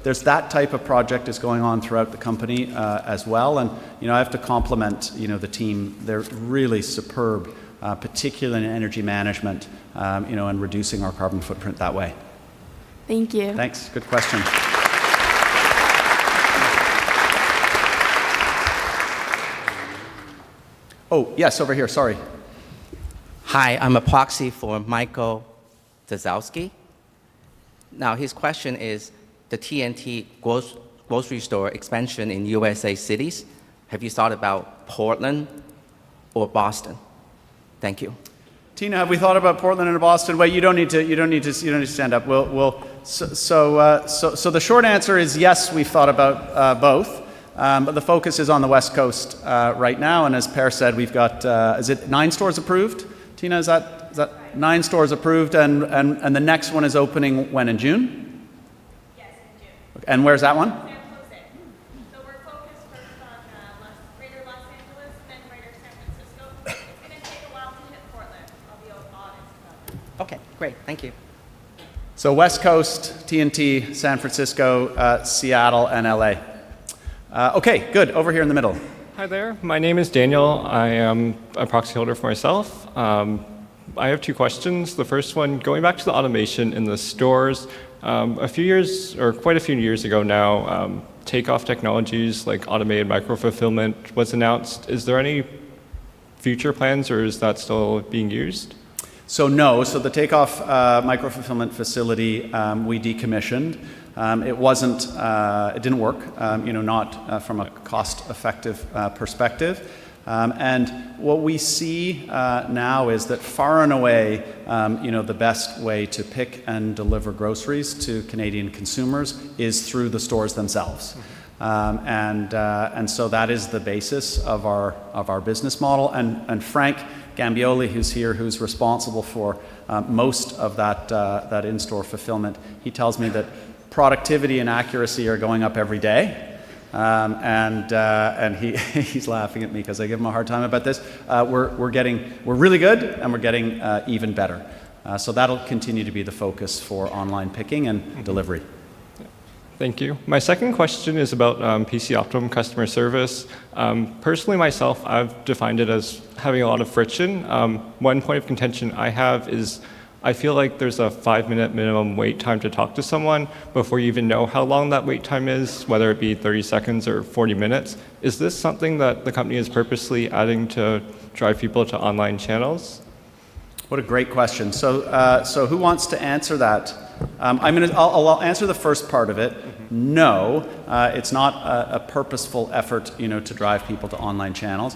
There's that type of project is going on throughout the company as well. You know, I have to compliment, you know, the team. They're really superb, particularly in energy management, you know, and reducing our carbon footprint that way. Thank you. Thanks. Good question. Oh, yes, over here. Sorry. Hi, I'm a proxy for Michael Tasowski. His question is the T&T Supermarket grocery store expansion in U.S. cities, have you thought about Portland or Boston? Thank you. Tina, have we thought about Portland or Boston? You don't need to, you don't need to stand up. The short answer is yes, we've thought about both. The focus is on the West Coast right now, and as Per said, we've got, is it nine stores approved? Tina, is that? Nine. Nine stores approved and the next one is opening when, in June? Yes, in June. Where's that one? San Jose. We're focused first on greater Los Angeles and then greater San Francisco. It's gonna take a while to hit Portland. I'll be honest about that. Okay, great. Thank you. West Coast, T&T, San Francisco, Seattle and L.A. Okay, good. Over here in the middle. Hi there. My name is Daniel. I am a proxy holder for myself. I have two questions. The first one, going back to the automation in the stores, a few years or quite a few years ago now, Takeoff Technologies, like automated micro-fulfillment, was announced. Is there any future plans, or is that still being used? No, so the Takeoff micro-fulfillment facility, we decommissioned. It wasn't, it didn't work, you know, not from a cost-effective perspective. What we see now is that far and away, you know, the best way to pick and deliver groceries to Canadian consumers is through the stores themselves. Okay. That is the basis of our business model. Frank Gambioli, who's here, who's responsible for most of that in-store fulfillment, he tells me that productivity and accuracy are going up every day. He's laughing at me 'cause I give him a hard time about this. We're really good, and we're getting even better. That'll continue to be the focus for online picking and delivery. Thank you. My second question is about PC Optimum customer service. Personally, myself, I've defined it as having a lot of friction. One point of contention I have is I feel like there's a 5-minute minimum wait time to talk to someone before you even know how long that wait time is, whether it be 30 seconds or 40 minutes. Is this something that the company is purposely adding to drive people to online channels? What a great question. Who wants to answer that? I'll answer the first part of it. No, it's not a purposeful effort, you know, to drive people to online channels.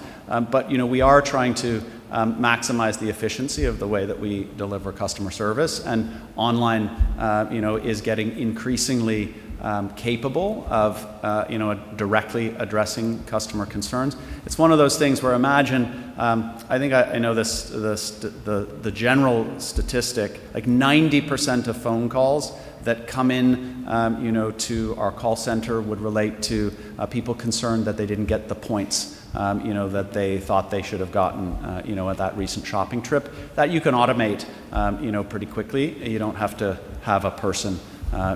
You know, we are trying to maximize the efficiency of the way that we deliver customer service, and online, you know, is getting increasingly capable of, you know, directly addressing customer concerns. It's one of those things where, imagine, I think I know this, the general statistic, like 90% of phone calls that come in, you know, to our call center would relate to people concerned that they didn't get the points, you know, that they thought they should have gotten, you know, at that recent shopping trip. That you can automate, you know, pretty quickly. You don't have to have a person,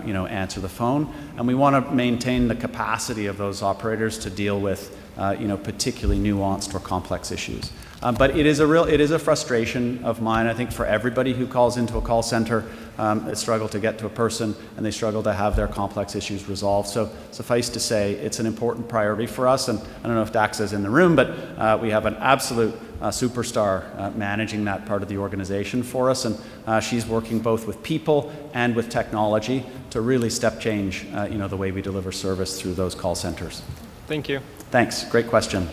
you know, answer the phone. We wanna maintain the capacity of those operators to deal with, you know, particularly nuanced or complex issues. It is a real, it is a frustration of mine, I think for everybody who calls into a call center, they struggle to get to a person, and they struggle to have their complex issues resolved. Suffice to say, it's an important priority for us, and I don't know if Dax is in the room, we have an absolute superstar managing that part of the organization for us. She's working both with people and with technology to really step change, you know, the way we deliver service through those call centers. Thank you. Thanks. Great question.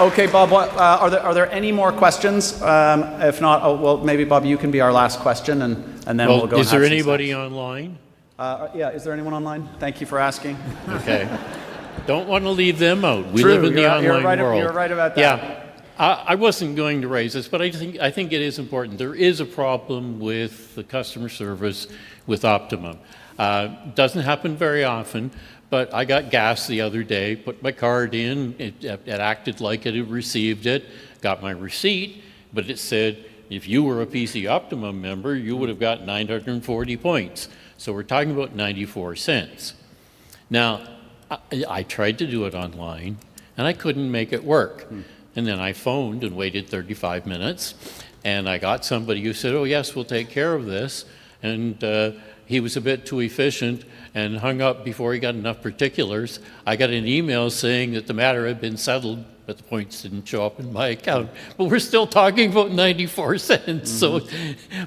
Okay, Bob, what are there any more questions? If not, well, maybe Bob, you can be our last question and then we'll go have some snacks. Well, is there anybody online? Yeah. Is there anyone online? Thank you for asking. Okay. Don't want to leave them out. True. You're right. We live in the online world. you're right about that. I wasn't going to raise this, but I think it is important. There is a problem with the customer service with Optimum. It doesn't happen very often, but I got gas the other day, put my card in, it acted like it had received it, got my receipt. It said, "If you were a PC Optimum member, you would have got 940 points." We're talking about 0.94. Now, I tried to do it online, and I couldn't make it work. Then I phoned and waited 35 minutes, and I got somebody who said, "Oh, yes, we'll take care of this." He was a bit too efficient and hung up before he got enough particulars. I got an email saying that the matter had been settled, but the points didn't show up in my account. We're still talking about 0.94, so.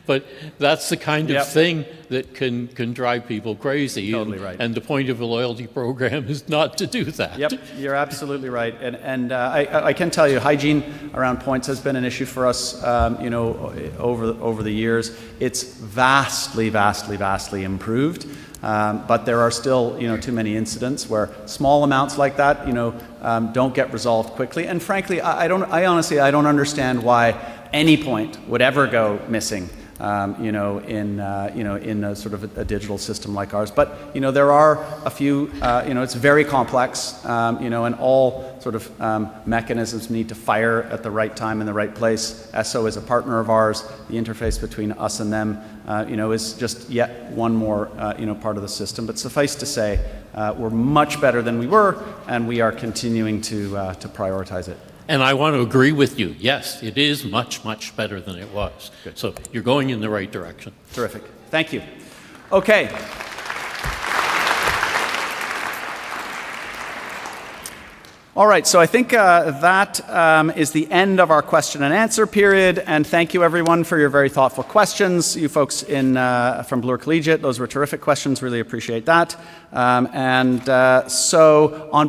But that's the kind of thing- Yep. that can drive people crazy. Totally right. The point of a loyalty program is not to do that. Yep. You're absolutely right. I can tell you, hygiene around points has been an issue for us, you know, over the years. It's vastly, vastly improved. There are still, you know, too many incidents where small amounts like that, you know, don't get resolved quickly. Frankly, I don't, I honestly, I don't understand why any point would ever go missing, you know, in a sort of a digital system like ours. You know, there are a few. You know, it's very complex. You know, and all sort of mechanisms need to fire at the right time and the right place. Esso is a partner of ours. The interface between us and them, you know, is just yet one more, you know, part of the system. Suffice to say, we're much better than we were, and we are continuing to prioritize it. I want to agree with you. Yes, it is much, much better than it was. Good. You're going in the right direction. Terrific. Thank you. Okay. All right. I think that is the end of our question and answer period, and thank you everyone for your very thoughtful questions. You folks in from Bloor Collegiate, those were terrific questions. Really appreciate that. On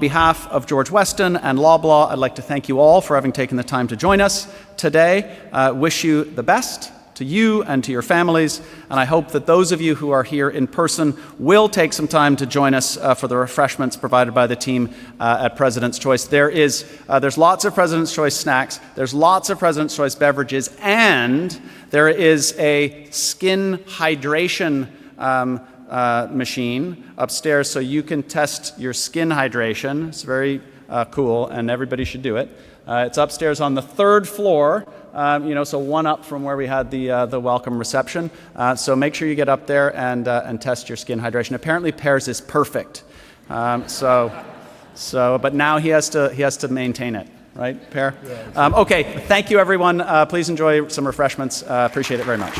behalf of George Weston and Loblaw, I'd like to thank you all for having taken the time to join us today. Wish you the best to you and to your families, and I hope that those of you who are here in person will take some time to join us for the refreshments provided by the team at President's Choice. There is there's lots of President's Choice snacks, there's lots of President's Choice beverages, and there is a skin hydration machine upstairs so you can test your skin hydration. It's very cool, and everybody should do it. It's upstairs on the third floor. You know, so one up from where we had the welcome reception. So make sure you get up there and test your skin hydration. Apparently Per's is perfect. So, but now he has to maintain it, right, Per? Yeah. Okay. Thank you, everyone. Please enjoy some refreshments. Appreciate it very much.